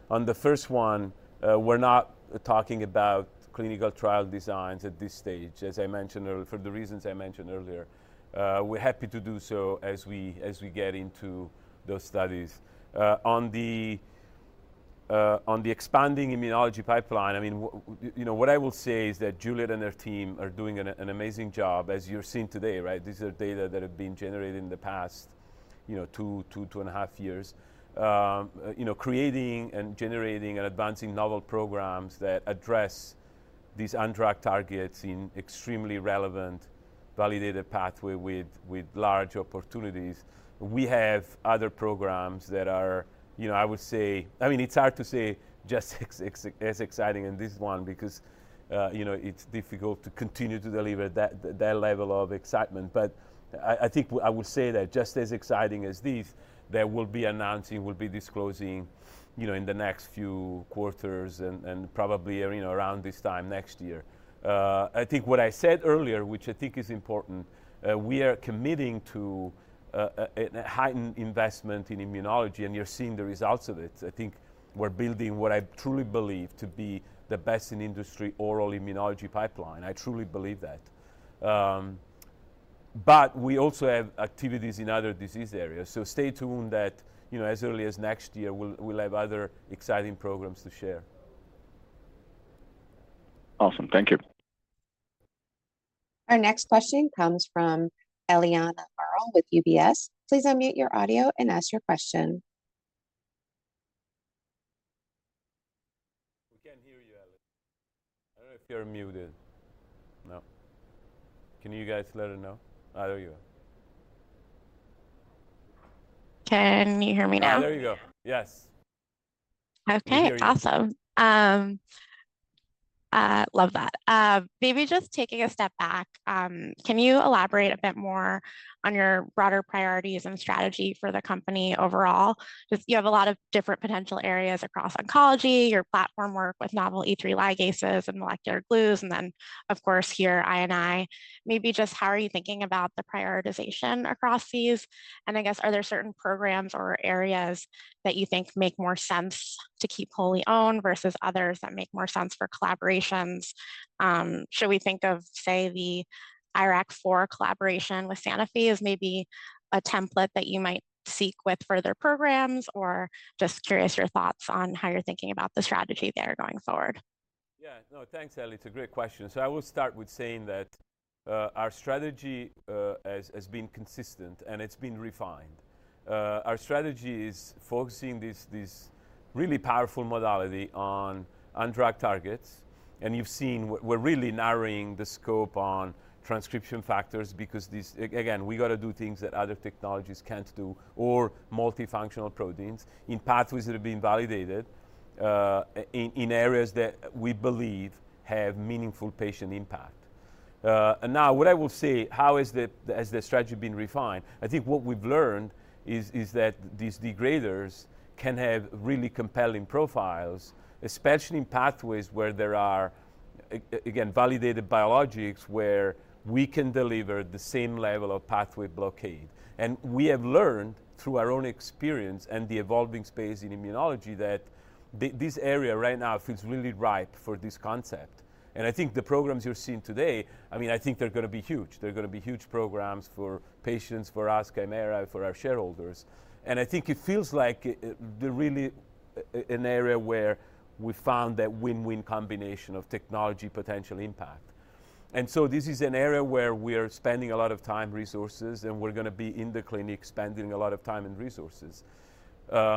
On the first one, we're not talking about clinical trial designs at this stage, as I mentioned earlier for the reasons I mentioned earlier. We're happy to do so as we get into those studies. On the expanding immunology pipeline, I mean, you know, what I will say is that Juliet and her team are doing an amazing job, as you're seeing today, right? These are data that have been generated in the past, you know, two, two, two and a half years. You know, creating and generating and advancing novel programs that address these undruggable targets in extremely relevant, validated pathway with large opportunities. We have other programs that are, you know, I would say... I mean, it's hard to say just as exciting as this one because, you know, it's difficult to continue to deliver that, that level of excitement. But I, I think I will say that just as exciting as these, that we'll be announcing, we'll be disclosing, you know, in the next few quarters and, and probably, you know, around this time next year. I think what I said earlier, which I think is important, we are committing to a heightened investment in immunology, and you're seeing the results of it. I think we're building what I truly believe to be the best in industry oral immunology pipeline. I truly believe that. But we also have activities in other disease areas, so stay tuned that, you know, as early as next year, we'll have other exciting programs to share.
Awesome. Thank you.
Our next question comes from Eliana Merle with UBS. Please unmute your audio and ask your question. We can't hear you, Eliana. I don't know if you're muted. No. Can you guys let her know? Oh, there you go.
Can you hear me now?
Yeah, there you go. Yes.
Okay, awesome.
We hear you.
Love that. Maybe just taking a step back, can you elaborate a bit more on your broader priorities and strategy for the company overall? Just you have a lot of different potential areas across oncology, your platform work with novel E3 ligases and molecular glues, and then, of course, here, I&I. Maybe just how are you thinking about the prioritization across these? And I guess, are there certain programs or areas that you think make more sense to keep wholly owned versus others that make more sense for collaborations? Should we think of, say, the IRAK4 collaboration with Sanofi as maybe a template that you might seek with further programs, or just curious your thoughts on how you're thinking about the strategy there going forward.
Yeah. No, thanks, Ellie. It's a great question. So I will start with saying that, our strategy has been consistent, and it's been refined. Our strategy is focusing this really powerful modality on undruggable targets. And you've seen, we're really narrowing the scope on transcription factors because these again, we gotta do things that other technologies can't do or multifunctional proteins in pathways that have been validated in areas that we believe have meaningful patient impact. And now, what I will say, how has the strategy been refined? I think what we've learned is that these degraders can have really compelling profiles, especially in pathways where there are again validated biologics where we can deliver the same level of pathway blockade. We have learned through our own experience and the evolving space in immunology, that this area right now feels really ripe for this concept. I think the programs you're seeing today, I mean, I think they're gonna be huge. They're gonna be huge programs for patients, for us, Kymera, for our shareholders. I think it feels like the really, an area where we found that win-win combination of technology potential impact. So this is an area where we are spending a lot of time, resources, and we're gonna be in the clinic spending a lot of time and resources. I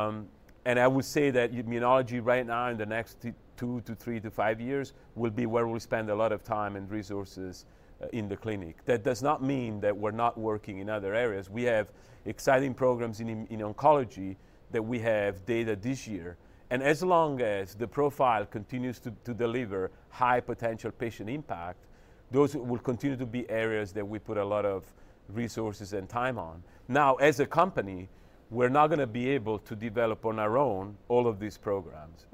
would say that immunology right now, in the next 2 to 3 to 5 years, will be where we spend a lot of time and resources in the clinic. That does not mean that we're not working in other areas. We have exciting programs in oncology that we have data this year. And as long as the profile continues to deliver high potential patient impact, those will continue to be areas that we put a lot of resources and time on. Now, as a company, we're not gonna be able to develop on our own all of these programs,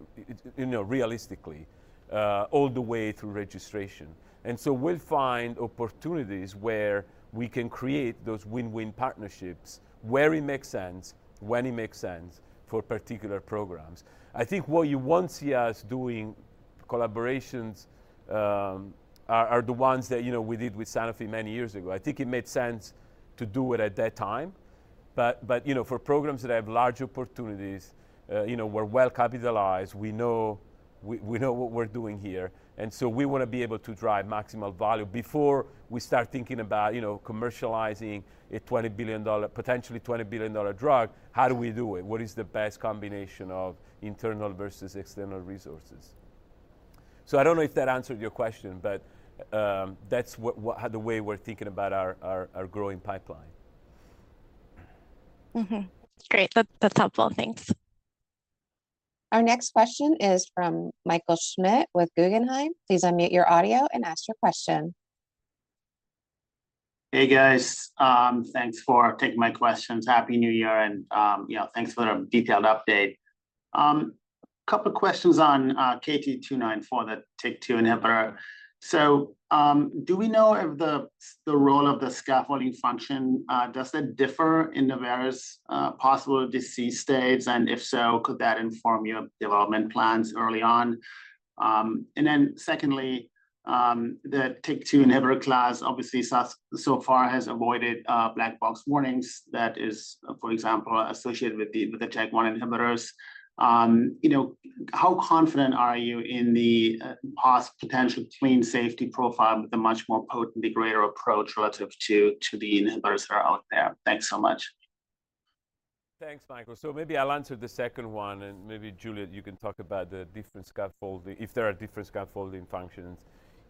you know, realistically, all the way through registration. And so we'll find opportunities where we can create those win-win partnerships, where it makes sense, when it makes sense for particular programs. I think where you won't see us doing collaborations, are the ones that, you know, we did with Sanofi many years ago. I think it made sense to do it at that time, but you know, for programs that have large opportunities, you know, we're well-capitalized, we know what we're doing here, and so we wanna be able to drive maximal value. Before we start thinking about, you know, commercializing a $20 billion, potentially $20 billion drug, how do we do it? What is the best combination of internal versus external resources? So I don't know if that answered your question, but that's what the way we're thinking about our growing pipeline.
Mm-hmm. Great. That's, that's helpful. Thanks.
Our next question is from Michael Schmidt with Guggenheim. Please unmute your audio and ask your question.
Hey, guys. Thanks for taking my questions. Happy New Year, and, you know, thanks for the detailed update. Couple of questions on KT-294, the TYK2 inhibitor. So, do we know if the role of the scaffolding function does it differ in the various possible disease states? And if so, could that inform your development plans early on? And then secondly, the TYK2 inhibitor class, obviously, so far has avoided black box warnings. That is, for example, associated with the JAK1 inhibitors. You know, how confident are you in the potential clean safety profile with a much more potent degrader approach relative to the inhibitors that are out there? Thanks so much.
Thanks, Michael. So maybe I'll answer the second one, and maybe, Juliet, you can talk about the different scaffolding, if there are different scaffolding functions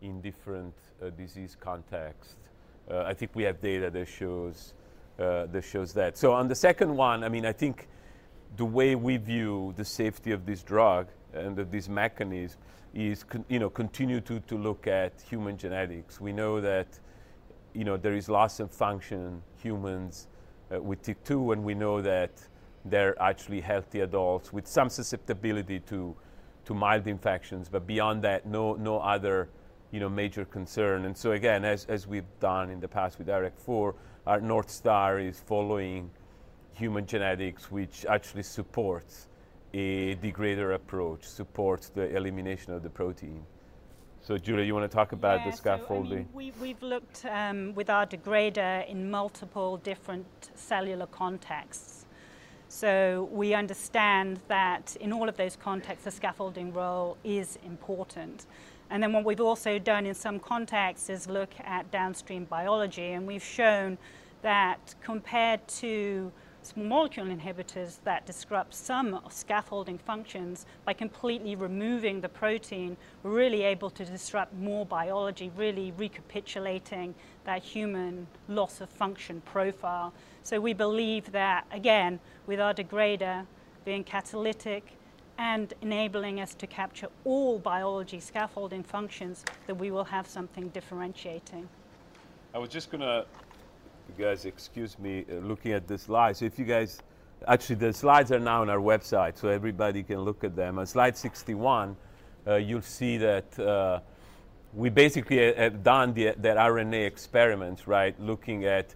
in different, disease contexts. I think we have data that shows, that shows that. So on the second one, I mean, I think the way we view the safety of this drug and of this mechanism is, you know, continue to look at human genetics. We know that, you know, there is loss of function in humans, with TYK2, and we know that they're actually healthy adults with some susceptibility to, to mild infections, but beyond that, no, no other, you know, major concern. And so again, as, as we've done in the past with IRAK4, our North Star is following human genetics, which actually supports a degrader approach, supports the elimination of the protein. So, Juliet, you want to talk about the scaffolding?
Yeah. So, I mean, we've looked with our degrader in multiple different cellular contexts. So we understand that in all of those contexts, the scaffolding role is important. And then what we've also done in some contexts is look at downstream biology, and we've shown that compared to small molecule inhibitors that disrupt some scaffolding functions, by completely removing the protein, we're really able to disrupt more biology, really recapitulating that human loss-of-function profile. So we believe that, again, with our degrader being catalytic and enabling us to capture all biology scaffolding functions, that we will have something differentiating.
I was just gonna... If you guys excuse me, looking at the slides. So if you guys—actually, the slides are now on our website, so everybody can look at them. On slide 61, you'll see that we basically have done the RNA experiment, right? Looking at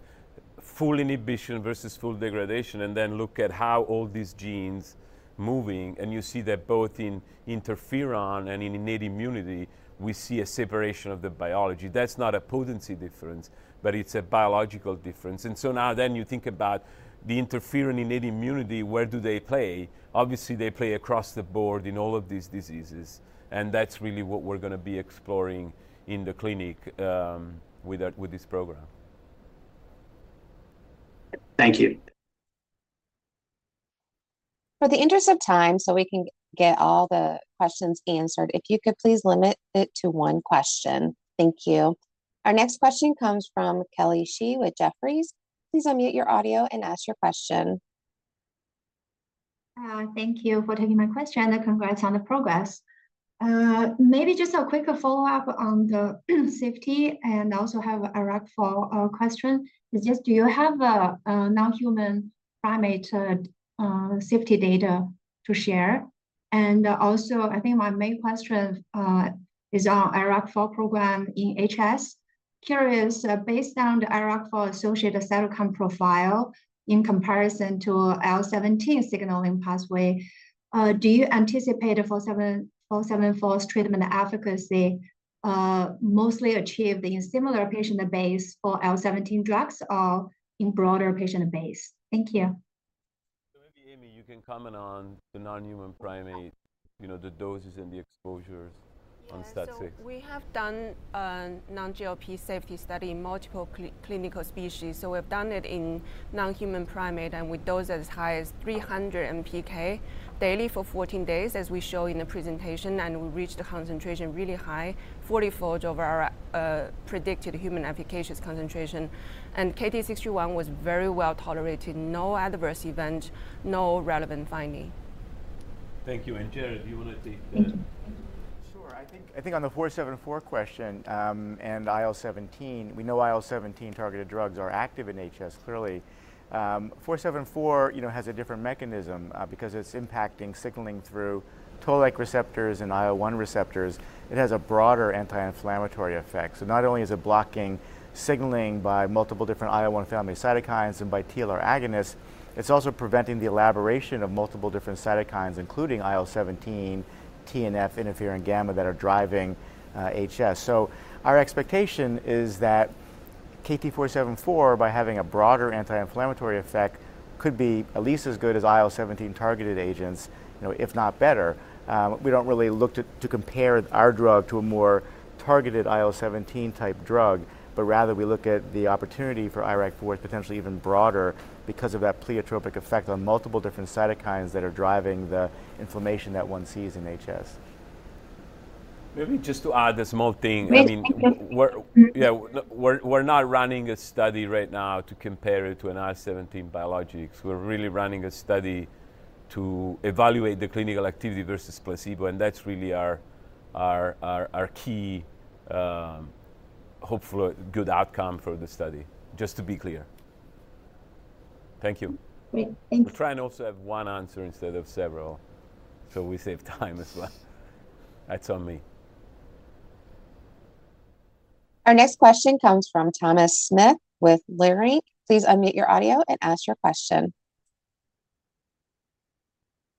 full inhibition versus full degradation, and then look at how all these genes moving, and you see that both in interferon and in innate immunity, we see a separation of the biology. That's not a potency difference, but it's a biological difference. So now then, you think about the interferon innate immunity, where do they play? Obviously, they play across the board in all of these diseases, and that's really what we're gonna be exploring in the clinic with this program.
Thank you.
For the interest of time, so we can get all the questions answered, if you could please limit it to one question. Thank you. Our next question comes from Kelly Shi with Jefferies. Please unmute your audio and ask your question.
Thank you for taking my question, and congrats on the progress. Maybe just a quick follow-up on the safety, and I also have a IRAK4 question. It's just: do you have a non-human primate safety data?... to share. And also, I think my main question is on IRAK4 program in HS. Curious, based on the IRAK4 associated cytokine profile in comparison to IL-17 signaling pathway, do you anticipate KT-474's treatment efficacy, mostly achieved in similar patient base for IL-17 drugs or in broader patient base? Thank you.
So maybe, Amy, you can comment on the non-human primate, you know, the doses and the exposures?
Yeah
-on STAT6.
We have done non-GLP safety study in multiple clinical species. So we've done it in non-human primate, and with dose as high as 300 MPK daily for 14 days, as we show in the presentation, and we reached a concentration really high, 40-fold over our predicted human applications concentration. And KT-621 was very well tolerated, no adverse event, no relevant finding.
Thank you. Jared, do you want to take-
Sure. I think, I think on the KT-474 question, and IL-17, we know IL-17 targeted drugs are active in HS, clearly. KT-474, you know, has a different mechanism, because it's impacting signaling through toll-like receptors and IL-1 receptors. It has a broader anti-inflammatory effect. So not only is it blocking signaling by multiple different IL-1 family cytokines and by TLR agonists, it's also preventing the elaboration of multiple different cytokines, including IL-17, TNF, interferon gamma, that are driving HS. So our expectation is that KT-474, by having a broader anti-inflammatory effect, could be at least as good as IL-17 targeted agents, you know, if not better. We don't really look to compare our drug to a more targeted IL-17 type drug, but rather we look at the opportunity for IRAK4 as potentially even broader because of that pleiotropic effect on multiple different cytokines that are driving the inflammation that one sees in HS.
Maybe just to add a small thing.
Yes, thank you.
I mean, we're... Yeah, we're not running a study right now to compare it to an IL-17 biologics. We're really running a study to evaluate the clinical activity versus placebo, and that's really our key, hopeful, good outcome for the study. Just to be clear. Thank you.
Great. Thank you.
We're trying to also have one answer instead of several, so we save time as well. That's on me.
Our next question comes from Thomas Smith with Leerink. Please unmute your audio and ask your question.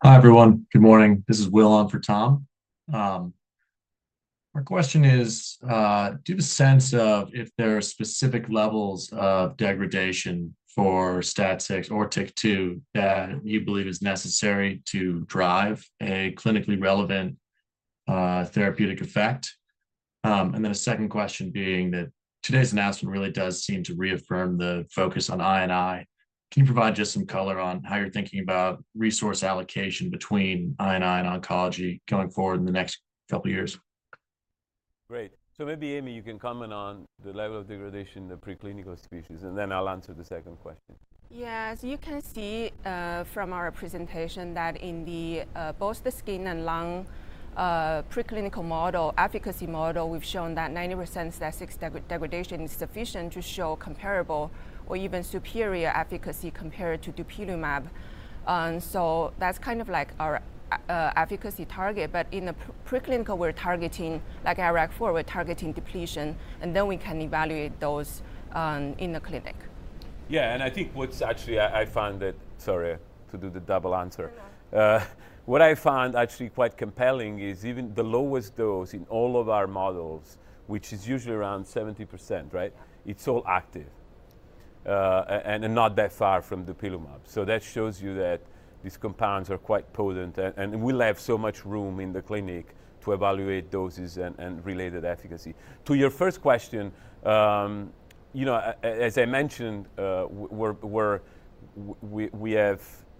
Hi, everyone. Good morning. This is Will on for Tom. Our question is, do you have a sense of if there are specific levels of degradation for STAT6 or TYK2 that you believe is necessary to drive a clinically relevant, therapeutic effect? And then a second question being that today's announcement really does seem to reaffirm the focus on I&I. Can you provide just some color on how you're thinking about resource allocation between I&I and oncology going forward in the next couple of years?
Great. So maybe, Amy, you can comment on the level of degradation in the preclinical species, and then I'll answer the second question.
Yes. You can see from our presentation that in both the skin and lung preclinical model, efficacy model, we've shown that 90% STAT6 degradation is sufficient to show comparable or even superior efficacy compared to dupilumab. And so that's kind of like our efficacy target. But in the preclinical, we're targeting, like IRAK4, we're targeting depletion, and then we can evaluate those in the clinic.
Yeah, I think what's actually – I found it. Sorry to do the double answer.
You're fine.
What I found actually quite compelling is even the lowest dose in all of our models, which is usually around 70%, right? It's all active, and not that far from dupilumab. So that shows you that these compounds are quite potent, and we'll have so much room in the clinic to evaluate doses and related efficacy. To your first question, you know, as I mentioned,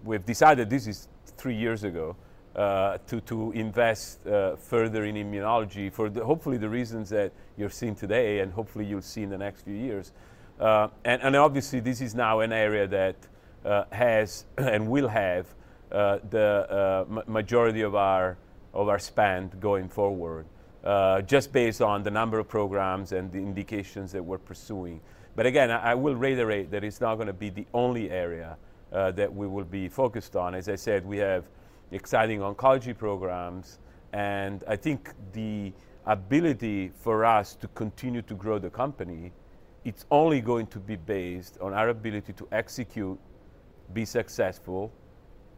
we've decided, this is three years ago, to invest further in immunology for the hopefully the reasons that you're seeing today and hopefully you'll see in the next few years. Obviously, this is now an area that has and will have the majority of our spend going forward, just based on the number of programs and the indications that we're pursuing. But again, I will reiterate that it's not gonna be the only area that we will be focused on. As I said, we have exciting oncology programs, and I think the ability for us to continue to grow the company. It's only going to be based on our ability to execute, be successful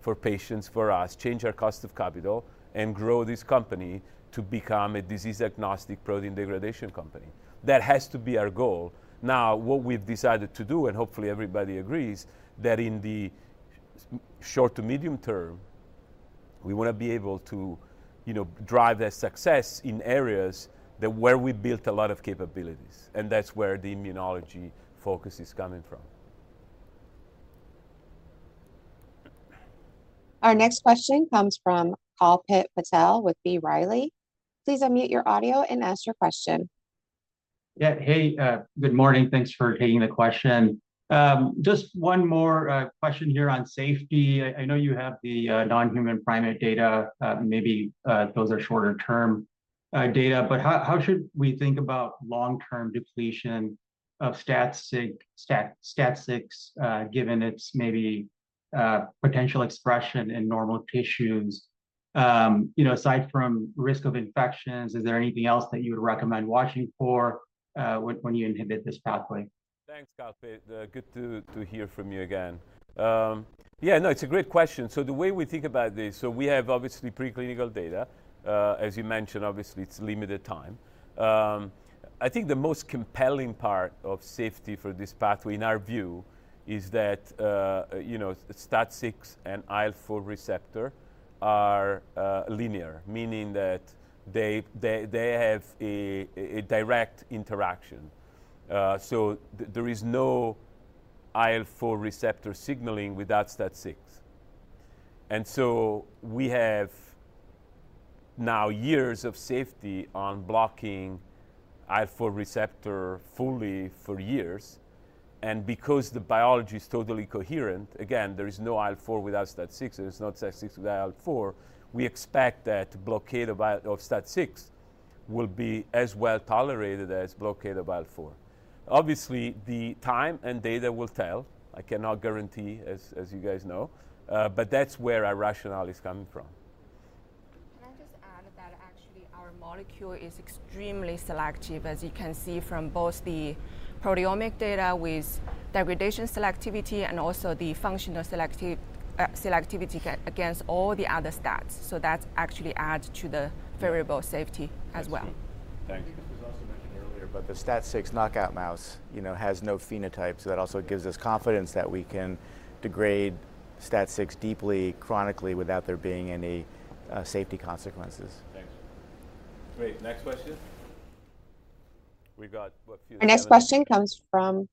for patients, for us, change our cost of capital, and grow this company to become a disease-agnostic protein degradation company. That has to be our goal. Now, what we've decided to do, and hopefully everybody agrees, that in the short to medium term, we wanna be able to, you know, drive that success in areas that where we built a lot of capabilities, and that's where the immunology focus is coming from.
Our next question comes from Kalpit Patel with B. Riley. Please unmute your audio and ask your question.
Yeah. Hey, good morning. Thanks for taking the question. Just one more question here on safety. I know you have the non-human primate data, maybe those are shorter term.... data, but how should we think about long-term depletion of STAT6 given its maybe potential expression in normal tissues? You know, aside from risk of infections, is there anything else that you would recommend watching for when you inhibit this pathway?
Thanks, Karl. Good to hear from you again. Yeah, no, it's a great question. So the way we think about this, so we have obviously preclinical data. As you mentioned, obviously, it's limited time. I think the most compelling part of safety for this pathway, in our view, is that, you know, STAT6 and IL-4 receptor are linear, meaning that they have a direct interaction. So there is no IL-4 receptor signaling without STAT6. And so we have now years of safety on blocking IL-4 receptor fully for years, and because the biology is totally coherent, again, there is no IL-4 without STAT6, and there's no STAT6 without IL-4, we expect that blockade of STAT6 will be as well tolerated as blockade of IL-4. Obviously, the time and data will tell. I cannot guarantee as, as you guys know, but that's where our rationale is coming from.
Can I just add that actually, our molecule is extremely selective, as you can see from both the proteomic data with degradation selectivity and also the functional selectivity against all the other stats. So that actually adds to the variable safety as well.
That's true. Thanks.
I think it was also mentioned earlier, but the STAT6 knockout mouse, you know, has no phenotype, so that also gives us confidence that we can degrade STAT6 deeply, chronically, without there being any safety consequences.
Thanks. Great. Next question? We've got, what, a few-
Our next question comes from...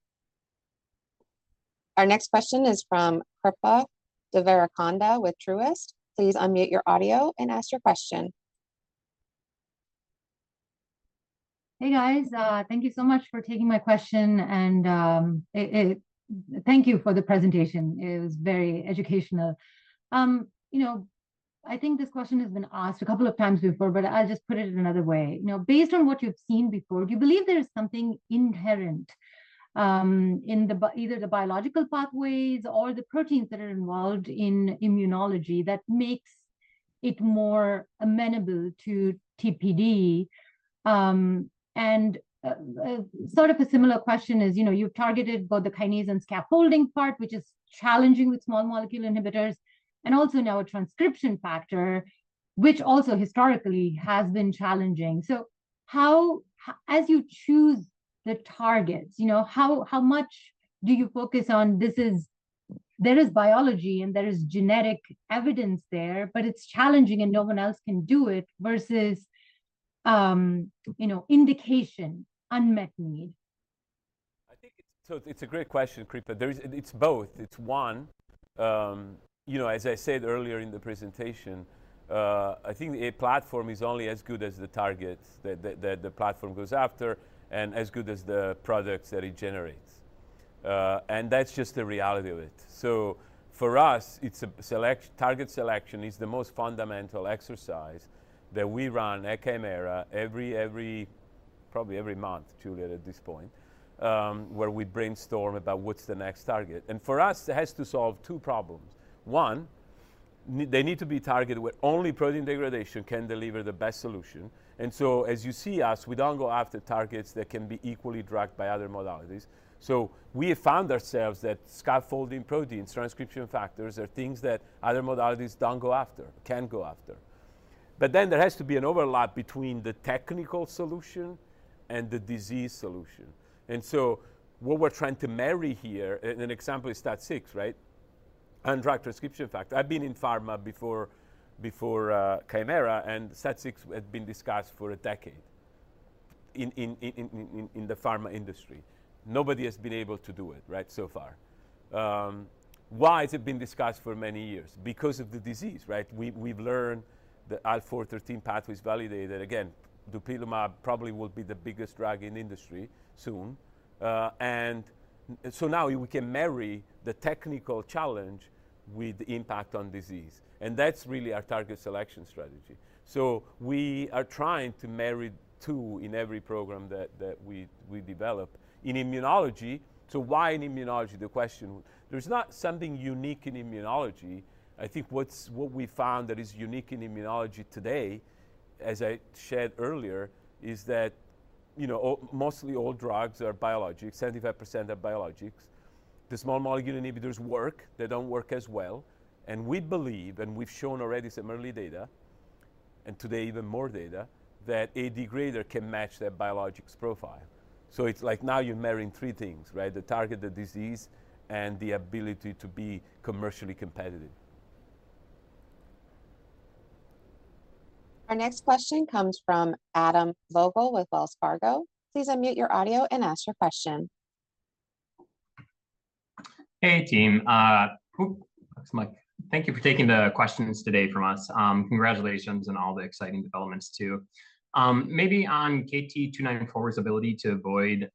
Our next question is from Kripa Devarakonda with Truist. Please unmute your audio and ask your question.
Hey, guys. Thank you so much for taking my question, and thank you for the presentation. It was very educational. You know, I think this question has been asked a couple of times before, but I'll just put it in another way. You know, based on what you've seen before, do you believe there is something inherent in either the biological pathways or the proteins that are involved in immunology that makes it more amenable to TPD? And sort of a similar question is, you know, you've targeted both the kinase and scaffolding part, which is challenging with small molecule inhibitors, and also now a transcription factor, which also historically has been challenging. So, how, as you choose the targets, you know, how much do you focus on there is biology and there is genetic evidence there, but it's challenging and no one else can do it, versus, you know, indication, unmet need?
I think it's so it's a great question, Kripa. It's both. It's one, you know, as I said earlier in the presentation, I think a platform is only as good as the targets that the platform goes after and as good as the products that it generates. And that's just the reality of it. So for us, target selection is the most fundamental exercise that we run at Kymera probably every month, Juliet, at this point, where we brainstorm about what's the next target. And for us, it has to solve two problems. One, they need to be targeted where only protein degradation can deliver the best solution. And so, as you see us, we don't go after targets that can be equally drugged by other modalities. So we have found ourselves that scaffolding proteins, transcription factors, are things that other modalities don't go after, can't go after. But then there has to be an overlap between the technical solution and the disease solution. And so what we're trying to marry here, an example is STAT6, right? And drug transcription factor. I've been in pharma before Kymera, and STAT6 had been discussed for a decade in the pharma industry. Nobody has been able to do it, right, so far. Why has it been discussed for many years? Because of the disease, right? We, we've learned the IL-4/13 pathway is validated. Again, Dupilumab probably will be the biggest drug in industry soon. And so now we can marry the technical challenge with impact on disease, and that's really our target selection strategy. So we are trying to marry two in every program that we develop. In immunology, so why in immunology, the question? There's not something unique in immunology. I think what we found that is unique in immunology today, as I shared earlier, is that, you know, almost all drugs are biologics, 75% are biologics. The small molecule inhibitors work, they don't work as well, and we believe, and we've shown already some early data, and today even more data, that a degrader can match that biologics profile. So it's like now you're marrying three things, right? The target, the disease, and the ability to be commercially competitive.
Our next question comes from Adam Vogel with Wells Fargo. Please unmute your audio and ask your question.
Hey, team. Thank you for taking the questions today from us. Congratulations on all the exciting developments, too. Maybe on KT-294's ability to avoid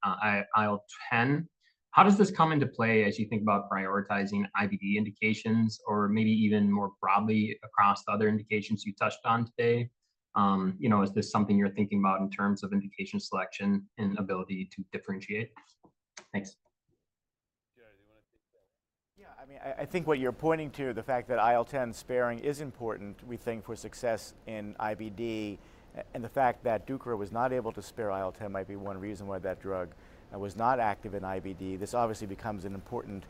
IL-10, how does this come into play as you think about prioritizing IBD indications, or maybe even more broadly across the other indications you touched on today? You know, is this something you're thinking about in terms of indication, selection, and ability to differentiate?... Thanks.
Yeah, I mean, I think what you're pointing to, the fact that IL-10 sparing is important, we think, for success in IBD, and the fact that Deucra was not able to spare IL-10 might be one reason why that drug was not active in IBD. This obviously becomes an important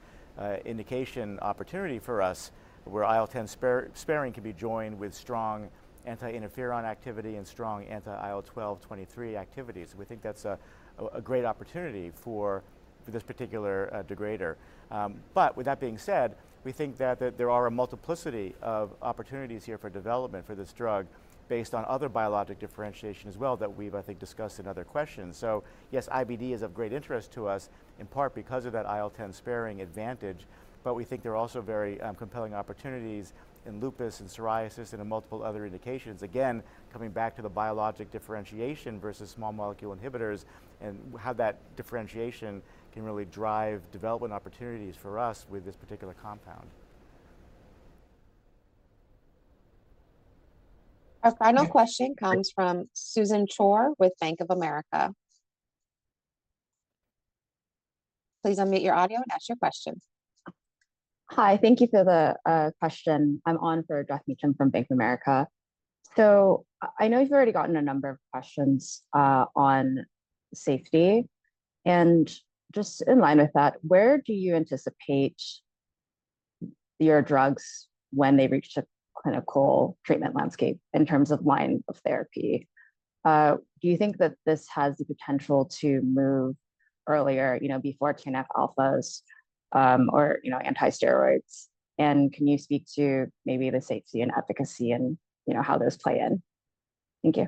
indication opportunity for us, where IL-10 sparing can be joined with strong anti-interferon activity and strong anti-IL-12/23 activities. We think that's a great opportunity for this particular degrader. But with that being said, we think that there are a multiplicity of opportunities here for development for this drug based on other biologic differentiation as well, that we've, I think, discussed in other questions. So yes, IBD is of great interest to us, in part because of that IL-10 sparing advantage, but we think there are also very compelling opportunities in lupus and psoriasis and in multiple other indications. Again, coming back to the biologic differentiation versus small molecule inhibitors, and how that differentiation can really drive development opportunities for us with this particular compound.
Our final question comes from Susan Chor with Bank of America. Please unmute your audio and ask your question.
Hi, thank you for the question. I'm on for Geoff Meacham from Bank of America. So I know you've already gotten a number of questions on safety, and just in line with that, where do you anticipate your drugs when they reach the clinical treatment landscape in terms of line of therapy? Do you think that this has the potential to move earlier, you know, before TNF alphas, or, you know, anti-steroids? And can you speak to maybe the safety and efficacy and, you know, how those play in? Thank you.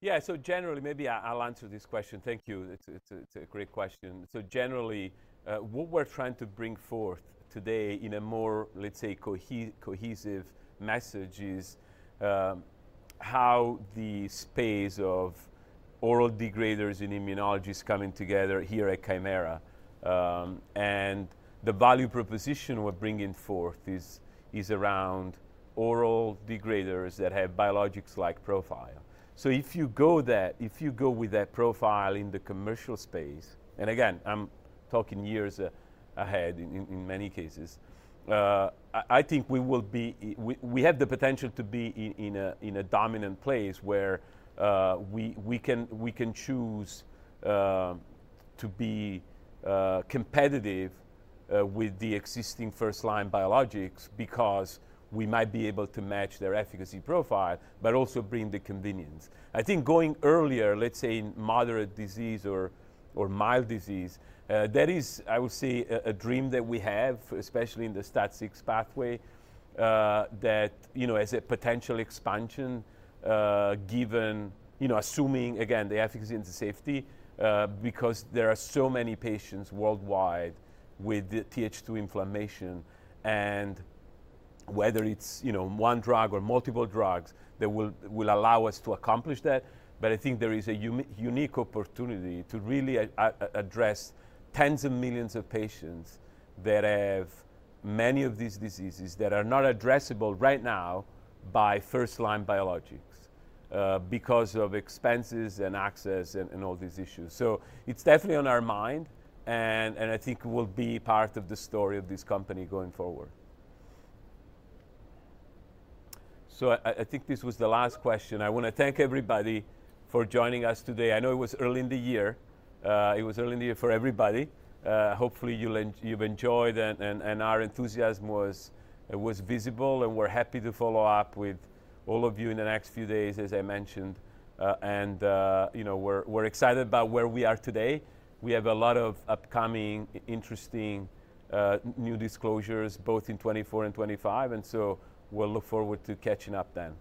Yeah. So generally, maybe I, I'll answer this question. Thank you. It's, it's a, it's a great question. So generally, what we're trying to bring forth today in a more, let's say, cohesive message is, how the space of oral degraders in immunology is coming together here at Kymera. And the value proposition we're bringing forth is, is around oral degraders that have biologics-like profile. So if you go there, if you go with that profile in the commercial space, and again, I'm talking years ahead in, in many cases, I, I think we will be. We, we have the potential to be in, in a, in a dominant place where, we, we can, we can choose, to be, competitive, with the existing first-line biologics because we might be able to match their efficacy profile, but also bring the convenience. I think going earlier, let's say, in moderate disease or mild disease, that is, I would say, a dream that we have, especially in the STAT6 pathway, that, you know, as a potential expansion, given... You know, assuming, again, the efficacy and the safety, because there are so many patients worldwide with Th2 inflammation, and whether it's, you know, one drug or multiple drugs, that will allow us to accomplish that. But I think there is a unique opportunity to really address tens of millions of patients that have many of these diseases that are not addressable right now by first-line biologics, because of expenses and access and all these issues. So it's definitely on our mind, and I think will be part of the story of this company going forward. So I think this was the last question. I want to thank everybody for joining us today. I know it was early in the year, it was early in the year for everybody. Hopefully, you've enjoyed and our enthusiasm was visible, and we're happy to follow up with all of you in the next few days, as I mentioned. And, you know, we're excited about where we are today. We have a lot of upcoming, interesting, new disclosures, both in 2024 and 2025, and so we'll look forward to catching up then.